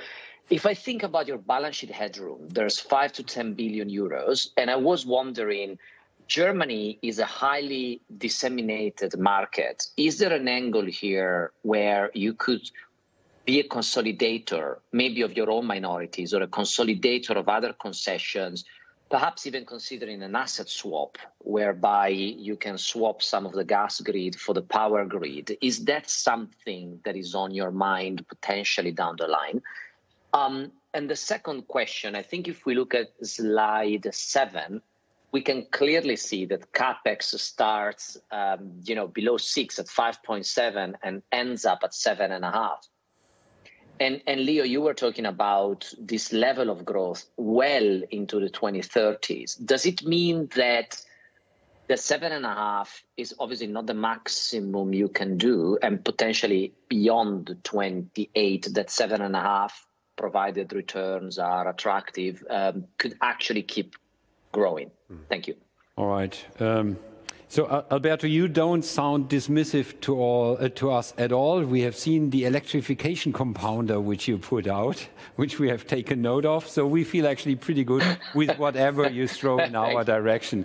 if I think about your balance sheet headroom, there's 5 billion-10 billion euros. And I was wondering, Germany is a highly disseminated market. Is there an angle here where you could be a consolidator, maybe of your own minorities, or a consolidator of other concessions, perhaps even considering an asset swap whereby you can swap some of the gas grid for the power grid? Is that something that is on your mind potentially down the line? And the second question, I think if we look at slide six, we can clearly see that CapEx starts below six at 5.7 and ends up at 7.5. And Leo, you were talking about this level of growth well into the 2030s. Does it mean that the 7.5 is obviously not the maximum you can do and potentially beyond the 2028, that 7.5 provided returns are attractive, could actually keep growing? Thank you. All right. So Alberto, you don't sound dismissive to us at all. We have seen the electrification compounder, which you put out, which we have taken note of. So we feel actually pretty good with whatever you throw in our direction.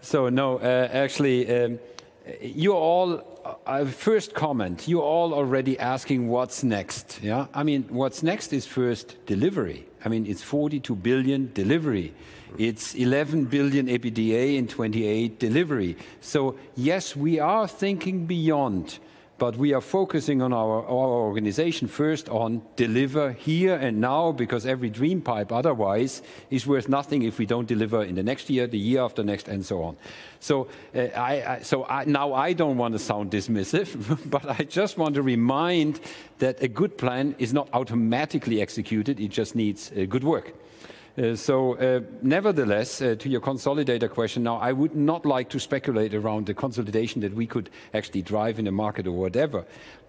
So no, actually, you're all first comment, you're all already asking what's next. I mean, what's next is first delivery. I mean, it's 42 billion delivery. It's 11 billion EBITDA in 2028 delivery. So yes, we are thinking beyond, but we are focusing on our organization first on deliver here and now because every dream pipe otherwise is worth nothing if we don't deliver in the next year, the year after next, and so on. So now I don't want to sound dismissive, but I just want to remind that a good plan is not automatically executed. It just needs good work. So nevertheless, to your consolidator question now, I would not like to speculate around the consolidation that we could actually drive in a market or whatever.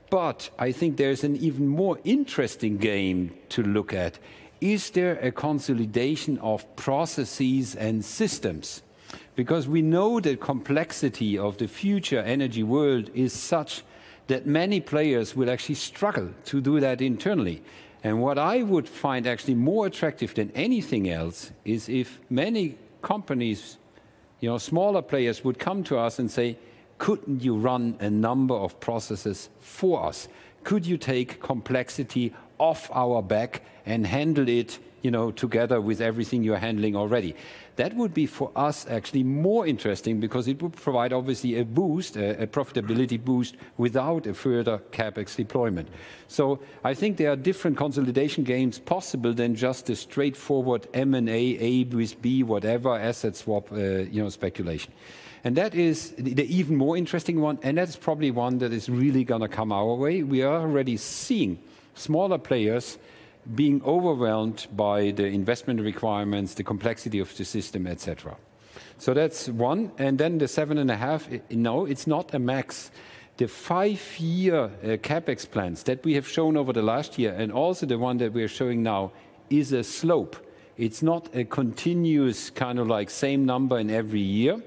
But I think there's an even more interesting game to look at. Is there a consolidation of processes and systems? Because we know the complexity of the future energy world is such that many players will actually struggle to do that internally. And what I would find actually more attractive than anything else is if many companies, smaller players, would come to us and say, "Couldn't you run a number of processes for us? Could you take complexity off our back and handle it together with everything you're handling already?" That would be for us actually more interesting because it would provide, obviously, a boost, a profitability boost without a further CapEx deployment. So I think there are different consolidation games possible than just the straightforward M&A, A with B, whatever, asset swap speculation. And that is the even more interesting one. And that's probably one that is really going to come our way. We are already seeing smaller players being overwhelmed by the investment requirements, the complexity of the system, etc. So that's one. And then the 7.5, no, it's not a max. The five-year CapEx plans that we have shown over the last year and also the one that we are showing now is a slope. It's not a continuous kind of like same number in every year.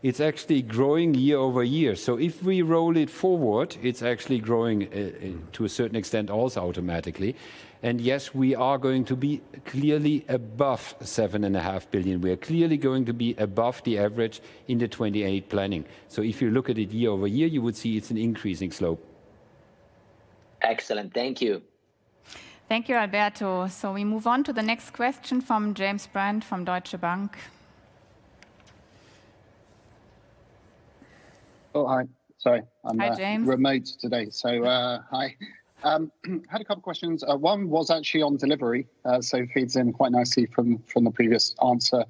It's actually growing year-over-year. So if we roll it forward, it's actually growing to a certain extent also automatically. And yes, we are going to be clearly above 7.5 billion. We are clearly going to be above the average in the 2028 planning. So if you look at it year-over-year, you would see it's an increasing slope. Excellent. Thank you. Thank you, Alberto. So we move on to the next question from James Brand from Deutsche Bank. Oh, hi. Sorry. I'm remote today. So hi. I had a couple of questions. One was actually on delivery, so feeds in quite nicely from the previous answer.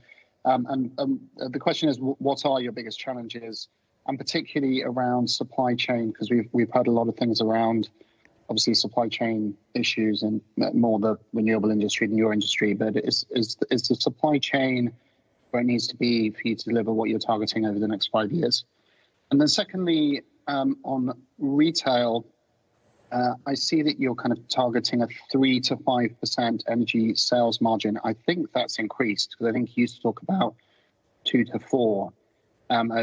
The question is, what are your biggest challenges, and particularly around supply chain? Because we've heard a lot of things around, obviously, supply chain issues and more the renewable industry than your industry. But is the supply chain where it needs to be for you to deliver what you're targeting over the next five years? And then secondly, on retail, I see that you're kind of targeting a 3%-5% energy sales margin. I think that's increased because I think you used to talk about 2%-4%.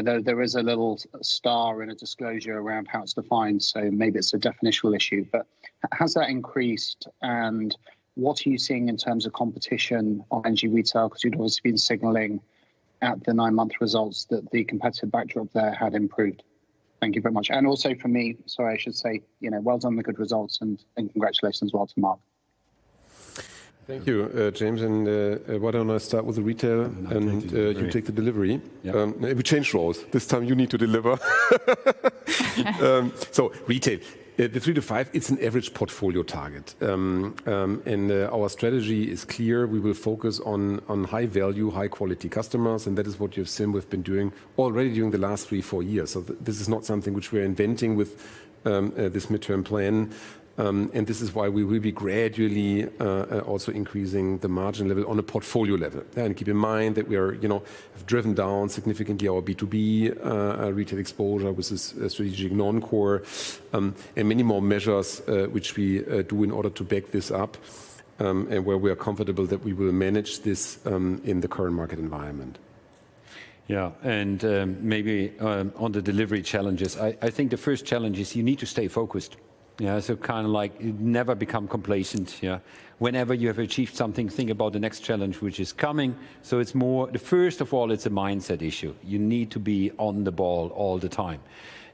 Though there is a little star in a disclosure around how it's defined, so maybe it's a definitional issue. But has that increased? And what are you seeing in terms of competition on energy retail? Because you'd obviously been signaling at the nine-month results that the competitive backdrop there had improved. Thank you very much. And also for me, sorry, I should say, well done on the good results and congratulations as well to Marc. Thank you, James. Why don't I start with the retail? You take the delivery. If we change roles, this time you need to deliver. So retail, the three to five, it's an average portfolio target. Our strategy is clear. We will focus on high value, high quality customers. That is what you have seen we've been doing already during the last three, four years. This is not something which we're inventing with this midterm plan. This is why we will be gradually also increasing the margin level on a portfolio level. And keep in mind that we have driven down significantly our B2B retail exposure with this strategic non-core and many more measures which we do in order to back this up and where we are comfortable that we will manage this in the current market environment. Yeah. And maybe on the delivery challenges, I think the first challenge is you need to stay focused. So kind of like never become complacent. Whenever you have achieved something, think about the next challenge, which is coming. So it's more the first of all, it's a mindset issue. You need to be on the ball all the time.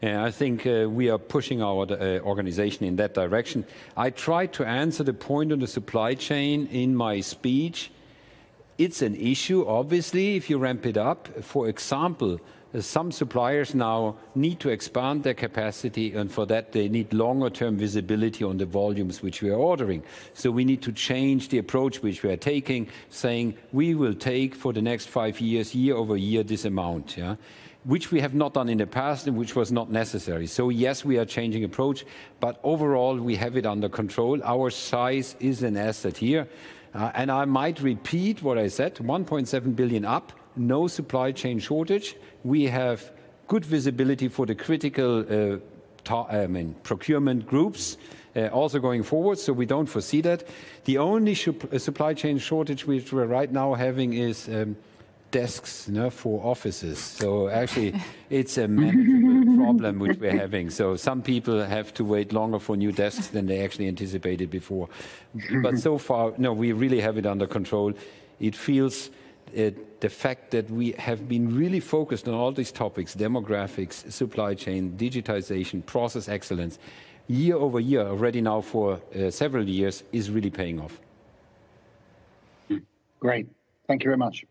And I think we are pushing our organization in that direction. I tried to answer the point on the supply chain in my speech. It's an issue, obviously, if you ramp it up. For example, some suppliers now need to expand their capacity. For that, they need longer-term visibility on the volumes which we are ordering. So we need to change the approach which we are taking, saying, "We will take for the next five years, year over year, this amount," which we have not done in the past and which was not necessary. So yes, we are changing approach. But overall, we have it under control. Our size is an asset here. And I might repeat what I said, 1.7 billion up, no supply chain shortage. We have good visibility for the critical, I mean, procurement groups also going forward. So we don't foresee that. The only supply chain shortage which we're right now having is desks for offices. So actually, it's a manageable problem which we're having. So some people have to wait longer for new desks than they actually anticipated before. But so far, no, we really have it under control. It feels the fact that we have been really focused on all these topics, demographics, supply chain, digitization, process excellence, year over year, already now for several years, is really paying off. Great. Thank you very much.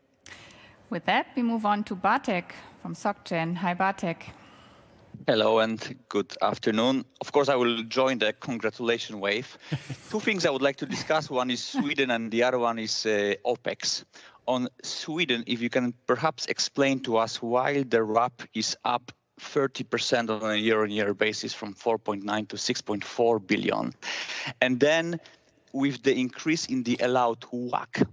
With that, we move on to Bartek from SocGen. Hi, Bartek. Hello and good afternoon. Of course, I will join the congratulation wave. Two things I would like to discuss. One is Sweden and the other one is OpEx. On Sweden, if you can perhaps explain to us why the RAB is up 30% on a year-on-year basis from 4.9 billion to 6.4 billion. And then with the increase in the allowed WACC,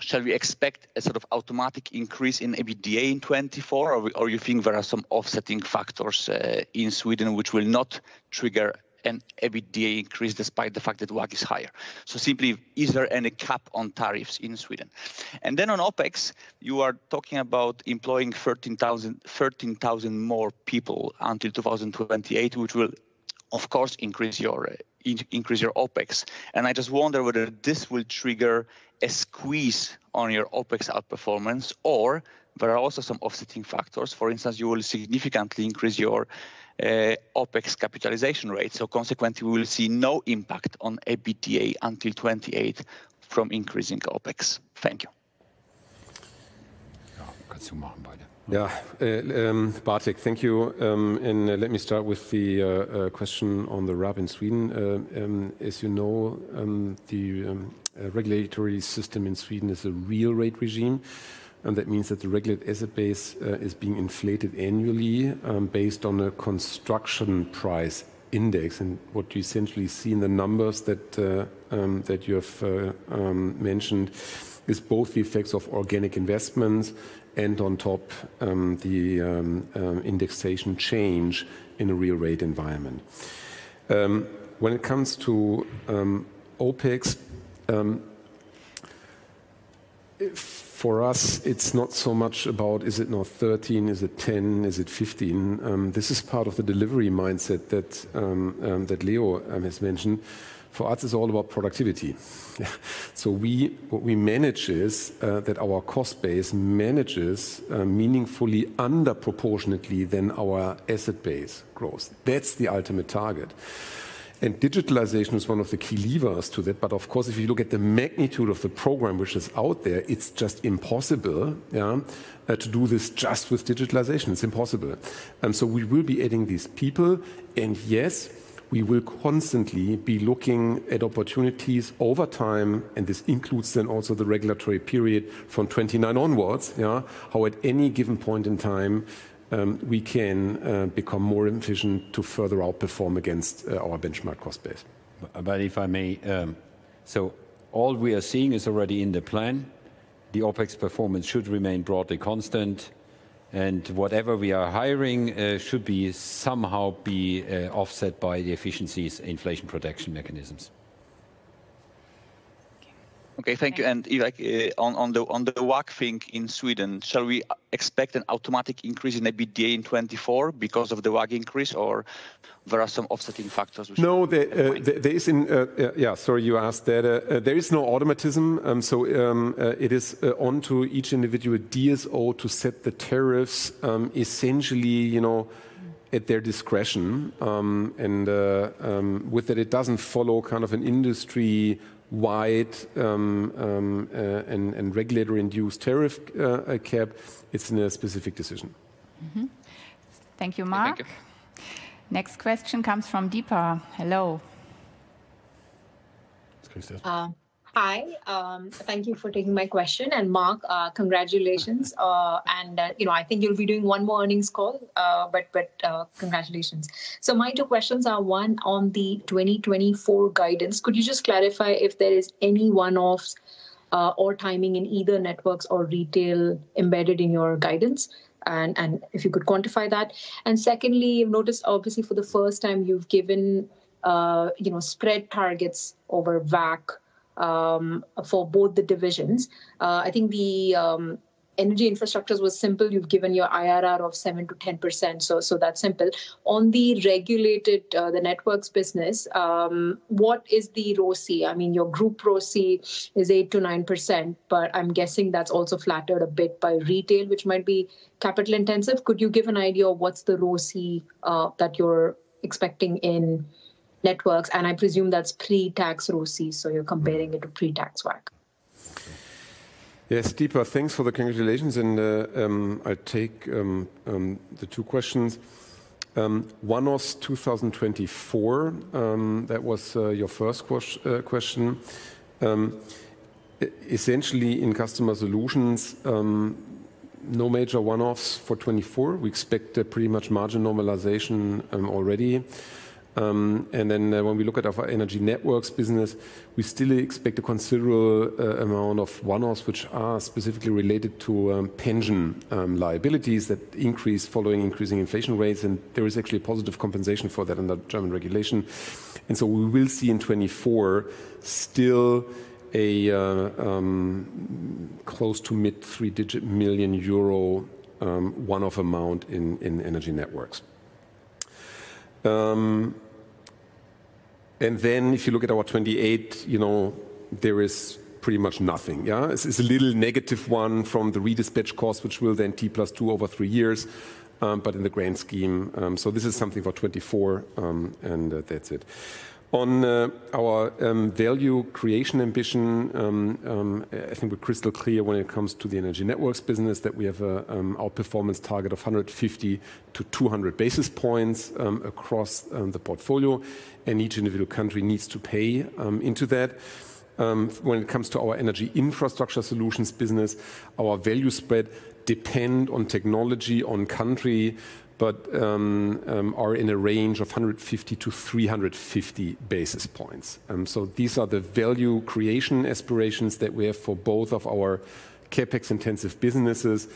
shall we expect a sort of automatic increase in EBITDA in 2024? Or you think there are some offsetting factors in Sweden which will not trigger an EBITDA increase despite the fact that WACC is higher? So simply, is there any cap on tariffs in Sweden? And then on OpEx, you are talking about employing 13,000 more people until 2028, which will, of course, increase your OpEx. And I just wonder whether this will trigger a squeeze on your OpEx outperformance. Or there are also some offsetting factors. For instance, you will significantly increase your OpEx capitalization rate. So consequently, we will see no impact on EBITDA until 2028 from increasing OpEx. Thank you. Yeah. Bartek, thank you. And let me start with the question on the RAB in Sweden. As you know, the regulatory system in Sweden is a real rate regime. And that means that the regulated asset base is being inflated annually based on a construction price index. What you essentially see in the numbers that you have mentioned is both the effects of organic investments and on top, the indexation change in a real rate environment. When it comes to OpEx, for us, it's not so much about, is it now 13? Is it 10? Is it 15? This is part of the delivery mindset that Leo has mentioned. For us, it's all about productivity. What we manage is that our cost base manages meaningfully, underproportionately than our asset base growth. That's the ultimate target. Digitalization is one of the key levers to that. Of course, if you look at the magnitude of the program which is out there, it's just impossible to do this just with digitalization. It's impossible. We will be adding these people. Yes, we will constantly be looking at opportunities over time. This includes then also the regulatory period from 2029 onwards, how at any given point in time, we can become more efficient to further outperform against our benchmark cost base. But if I may, so all we are seeing is already in the plan. The OpEx performance should remain broadly constant. Whatever we are hiring should somehow be offset by the efficiencies inflation protection mechanisms. Okay. Thank you. And Isaac, on the WACC thing in Sweden, shall we expect an automatic increase in EBITDA in 2024 because of the WACC increase? Or there are some offsetting factors which? No, yeah, sorry you asked that. There is no automatism. It is onto each individual DSO to set the tariffs essentially at their discretion. With that, it doesn't follow kind of an industry-wide and regulatory-induced tariff cap. It's in a specific decision. Thank you, Marc. Next question comes from Deepa. Hello. Hi. Thank you for taking my question. And Marc, congratulations. And I think you'll be doing one more earnings call. But congratulations. So my two questions are one on the 2024 guidance. Could you just clarify if there is any one-off or timing in either networks or retail embedded in your guidance? And if you could quantify that. And secondly, I've noticed, obviously, for the first time, you've given spread targets over WACC for both the divisions. I think the energy infrastructures was simple. You've given your IRR of 7%-10%. So that's simple. On the regulated, the networks business, what is the ROCE? I mean, your group ROCE is 8%-9%. But I'm guessing that's also flattered a bit by retail, which might be capital-intensive. Could you give an idea of what's the ROCE that you're expecting in networks? I presume that's pre-tax ROCE. So you're comparing it to pre-tax WACC. Yes, Deepa, thanks for the congratulations. And I'll take the two questions. One-offs 2024, that was your first question. Essentially, in customer solutions, no major one-offs for 2024. We expect pretty much margin normalization already. And then when we look at our energy networks business, we still expect a considerable amount of one-offs which are specifically related to pension liabilities that increase following increasing inflation rates. And there is actually a positive compensation for that under German regulation. And so we will see in 2024 still a close to mid-three-digit million euro one-off amount in energy networks. And then if you look at our 2028, there is pretty much nothing. It's a little negative one from the redispatch cost, which will then T plus two over three years. But in the grand scheme, so this is something for 2024. And that's it. On our value creation ambition, I think we're crystal clear when it comes to the Energy Networks business that we have an outperformance target of 150-200 basis points across the portfolio. And each individual country needs to pay into that. When it comes to our Energy Infrastructure Solutions business, our value spread depends on technology, on country, but are in a range of 150-350 basis points. So these are the value creation aspirations that we have for both of our CapEx-intensive businesses.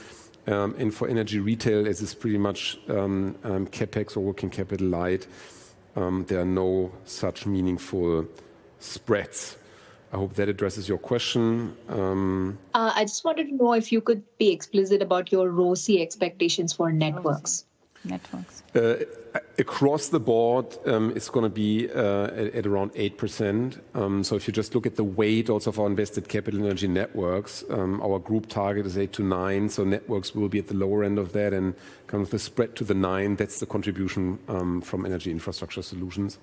And for Energy Retail, as it's pretty much CapEx or working capital light, there are no such meaningful spreads. I hope that addresses your question. I just wanted to know if you could be explicit about your ROCE expectations for networks. Networks. Across the board, it's going to be at around 8%. So if you just look at the weight also of our invested capital in energy networks, our group target is 8%-9%. So networks will be at the lower end of that. And kind of the spread to the 9, that's the contribution from energy infrastructure solutions.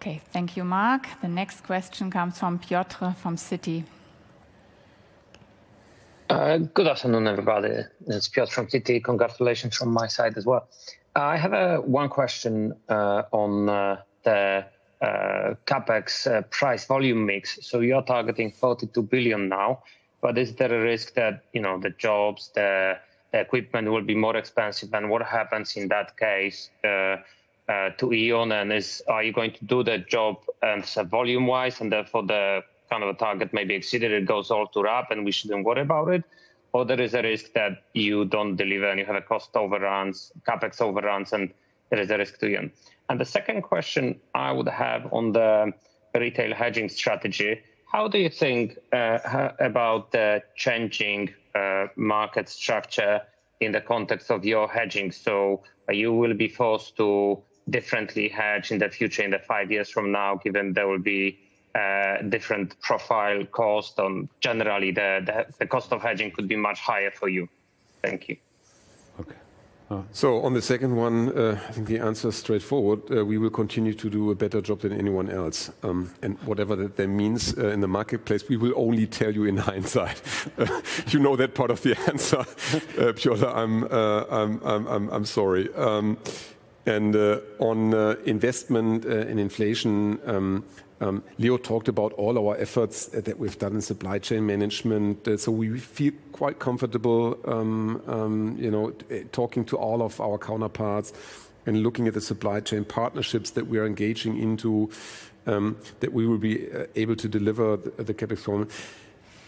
Okay. Thank you, Marc. The next question comes from Piotr from Citi. Good afternoon, everybody. It's Piotr from Citi. Congratulations from my side as well. I have one question on the CapEx price-volume mix. So you're targeting 42 billion now. But is there a risk that the jobs, the equipment will be more expensive? And what happens in that case to E.ON? And are you going to do the job volume-wise? And therefore, the kind of a target may be exceeded. It goes all to RAB. We shouldn't worry about it. Or there is a risk that you don't deliver and you have cost overruns, CapEx overruns. And there is a risk to E.ON. And the second question I would have on the retail hedging strategy, how do you think about the changing market structure in the context of your hedging? So you will be forced to differently hedge in the future, in the five years from now, given there will be different profile cost. Generally, the cost of hedging could be much higher for you. Thank you. Okay. On the second one, I think the answer is straightforward. We will continue to do a better job than anyone else. And whatever that means in the marketplace, we will only tell you in hindsight. You know that part of the answer, Piotr. I'm sorry. On investment and inflation, Leo talked about all our efforts that we've done in supply chain management. We feel quite comfortable talking to all of our counterparts and looking at the supply chain partnerships that we are engaging into that we will be able to deliver the CapEx performance.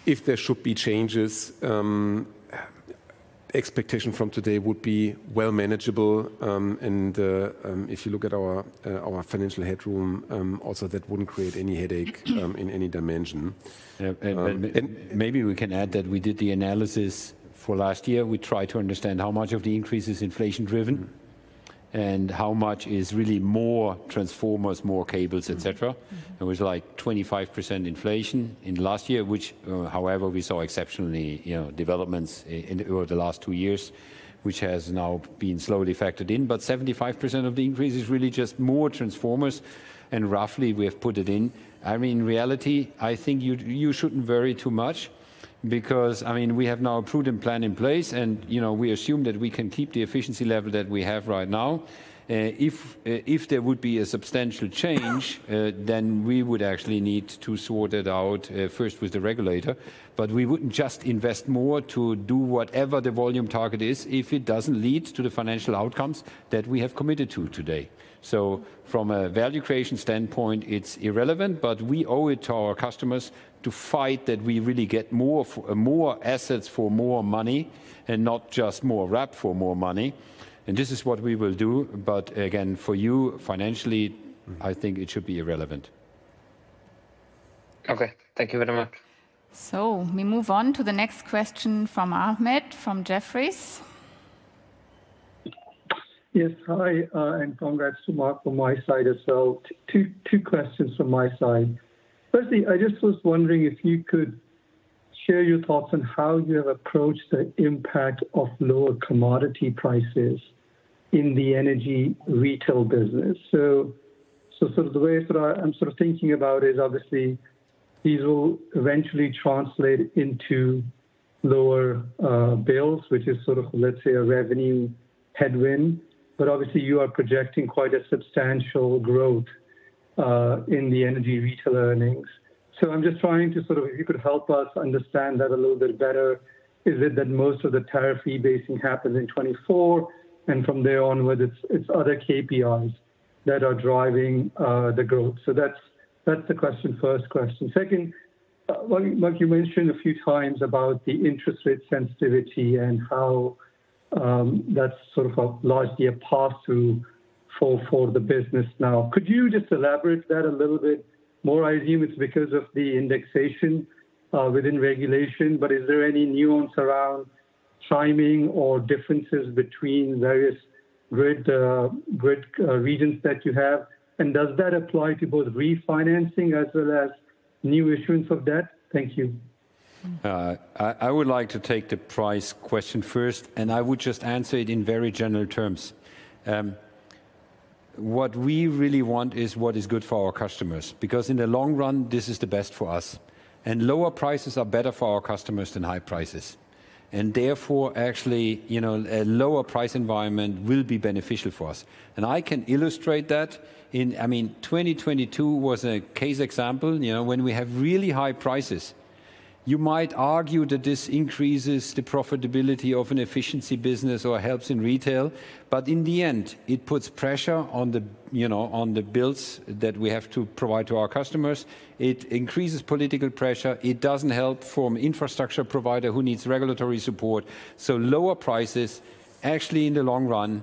If there should be changes, expectation from today would be well manageable. If you look at our financial headroom, also, that wouldn't create any headache in any dimension. Maybe we can add that we did the analysis for last year. We tried to understand how much of the increase is inflation-driven and how much is really more transformers, more cables, etc. It was like 25% inflation in last year, which, however, we saw exceptional developments over the last two years, which has now been slowly factored in. But 75% of the increase is really just more transformers. And roughly, we have put it in. I mean, in reality, I think you shouldn't worry too much because, I mean, we have now a prudent plan in place. And we assume that we can keep the efficiency level that we have right now. If there would be a substantial change, then we would actually need to sort it out first with the regulator. But we wouldn't just invest more to do whatever the volume target is if it doesn't lead to the financial outcomes that we have committed to today. So from a value creation standpoint, it's irrelevant. But we owe it to our customers to fight that we really get more assets for more money and not just more RAP for more money. And this is what we will do. But again, for you, financially, I think it should be irrelevant. Okay. Thank you very much. So we move on to the next question from Ahmed from Jefferies. Yes. Hi. And congrats to Marc from my side as well. Two questions from my side. Firstly, I just was wondering if you could share your thoughts on how you have approached the impact of lower commodity prices in the energy retail business. So sort of the way that I'm sort of thinking about it is, obviously, these will eventually translate into lower bills, which is sort of, let's say, a revenue headwind. But obviously, you are projecting quite a substantial growth in the energy retail earnings. So I'm just trying to sort of, if you could help us understand that a little bit better, is it that most of the tariff rebasing happens in 2024? From there onward, it's other KPIs that are driving the growth. That's the question, first question. Second, Marc, you mentioned a few times about the interest rate sensitivity and how that's sort of largely a pass-through for the business now. Could you just elaborate that a little bit more? I assume it's because of the indexation within regulation. Is there any nuance around timing or differences between various grid regions that you have? Does that apply to both refinancing as well as new issuance of debt? Thank you. I would like to take the price question first. I would just answer it in very general terms. What we really want is what is good for our customers because in the long run, this is the best for us. Lower prices are better for our customers than high prices. And therefore, actually, a lower price environment will be beneficial for us. And I can illustrate that in, I mean, 2022 was a case example when we have really high prices. You might argue that this increases the profitability of an efficiency business or helps in retail. But in the end, it puts pressure on the bills that we have to provide to our customers. It increases political pressure. It doesn't help from an infrastructure provider who needs regulatory support. So lower prices, actually, in the long run,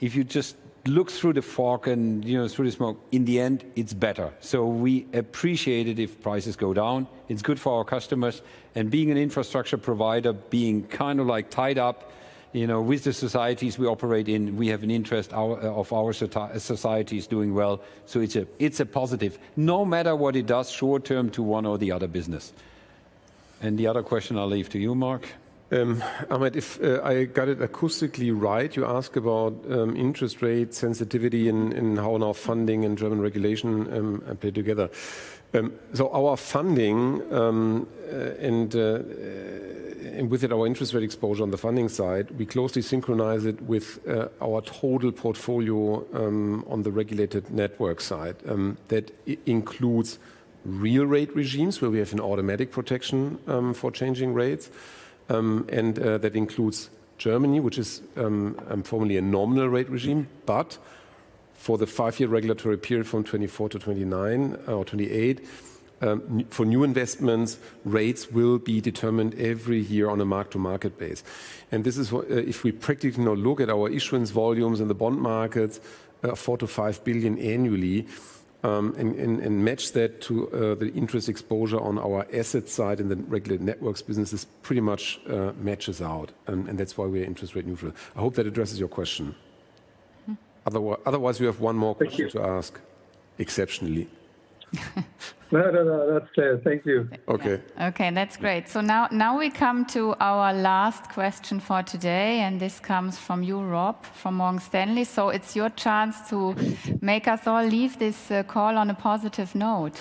if you just look through the fog and through the smoke, in the end, it's better. So we appreciate it if prices go down. It's good for our customers. And being an infrastructure provider, being kind of like tied up with the societies we operate in, we have an interest of our societies doing well. So it's a positive, no matter what it does short term to one or the other business. And the other question, I'll leave to you, Marc. Ahmed, if I got it acoustically right, you ask about interest rate sensitivity and how now funding and German regulation play together. So our funding and with it, our interest rate exposure on the funding side, we closely synchronize it with our total portfolio on the regulated network side. That includes real rate regimes where we have an automatic protection for changing rates. And that includes Germany, which is formally a nominal rate regime. But for the five-year regulatory period from 2024 to 2028, for new investments, rates will be determined every year on a mark-to-market basis. This is if we practically now look at our issuance volumes in the bond markets, 4 billion-5 billion annually, and match that to the interest exposure on our asset side in the regulated networks business, it pretty much matches out. And that's why we are interest rate neutral. I hope that addresses your question. Otherwise, we have one more question to ask, exceptionally. No, no, no. That's fair. Thank you. Okay. Okay. That's great. So now we come to our last question for today. And this comes from you, Rob, from Morgan Stanley. So it's your chance to make us all leave this call on a positive note.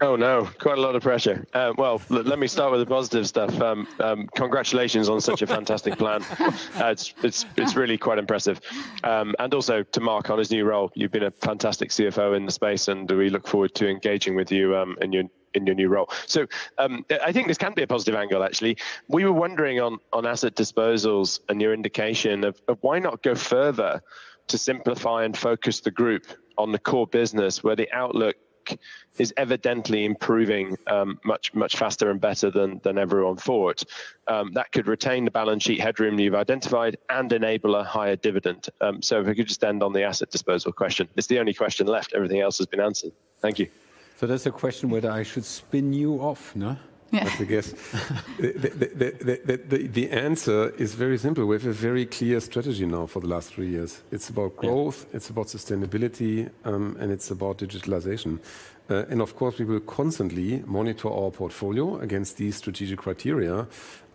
Oh, no. Quite a lot of pressure. Well, let me start with the positive stuff. Congratulations on such a fantastic plan. It's really quite impressive. And also to Marc on his new role, you've been a fantastic CFO in the space. We look forward to engaging with you in your new role. So I think this can be a positive angle, actually. We were wondering on asset disposals, a new indication of why not go further to simplify and focus the group on the core business where the outlook is evidently improving much, much faster and better than everyone thought. That could retain the balance sheet headroom you've identified and enable a higher dividend. So if we could just end on the asset disposal question. It's the only question left. Everything else has been answered. Thank you. So that's a question where I should spin you off, no? I guess. The answer is very simple. We have a very clear strategy now for the last three years. It's about growth. It's about sustainability. It's about digitalization. Of course, we will constantly monitor our portfolio against these strategic criteria.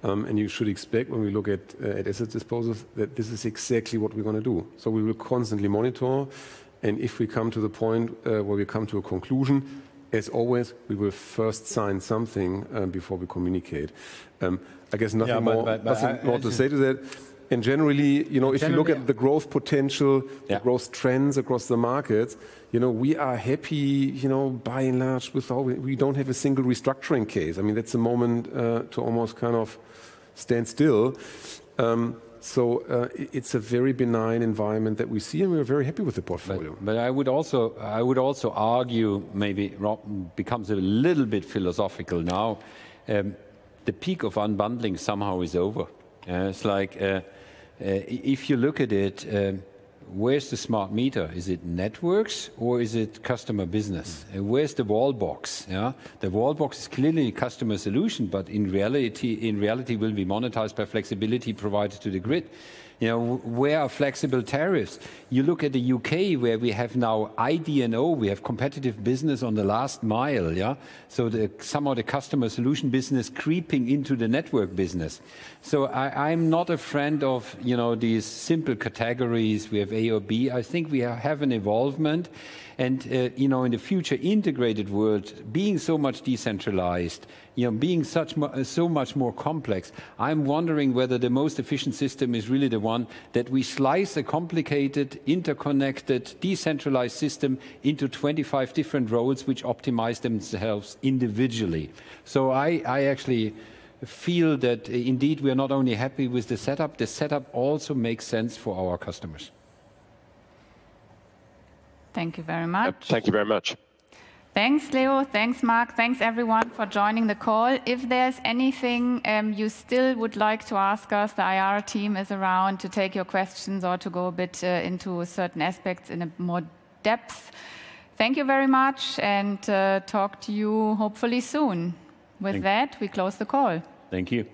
You should expect when we look at asset disposals that this is exactly what we're going to do. We will constantly monitor. If we come to the point where we come to a conclusion, as always, we will first sign something before we communicate. I guess nothing more to say to that. Generally, if you look at the growth potential, the growth trends across the markets, we are happy by and large. We don't have a single restructuring case. I mean, that's a moment to almost kind of stand still. It's a very benign environment that we see. We're very happy with the portfolio. But I would also argue maybe, Rob, becomes a little bit philosophical now. The peak of unbundling somehow is over. It's like if you look at it, where's the smart meter? Is it networks? Or is it customer business? Where's the wallbox? The wallbox is clearly a customer solution. But in reality, it will be monetized by flexibility provided to the grid. Where are flexible tariffs? You look at the UK where we have now IDNO. We have competitive business on the last mile, yeah? So somehow, the customer solution business is creeping into the network business. So I'm not a friend of these simple categories. We have A or B. I think we have an evolvement. And in the future integrated world, being so much decentralized, being so much more complex, I'm wondering whether the most efficient system is really the one that we slice a complicated, interconnected, decentralized system into 25 different roles, which optimize themselves individually. I actually feel that indeed, we are not only happy with the setup. The setup also makes sense for our customers. Thank you very much. Thank you very much. Thanks, Leo. Thanks, Marc. Thanks, everyone, for joining the call. If there's anything you still would like to ask us, the IR team is around to take your questions or to go a bit into certain aspects in more depth. Thank you very much. And talk to you, hopefully, soon. With that, we close the call. Thank you.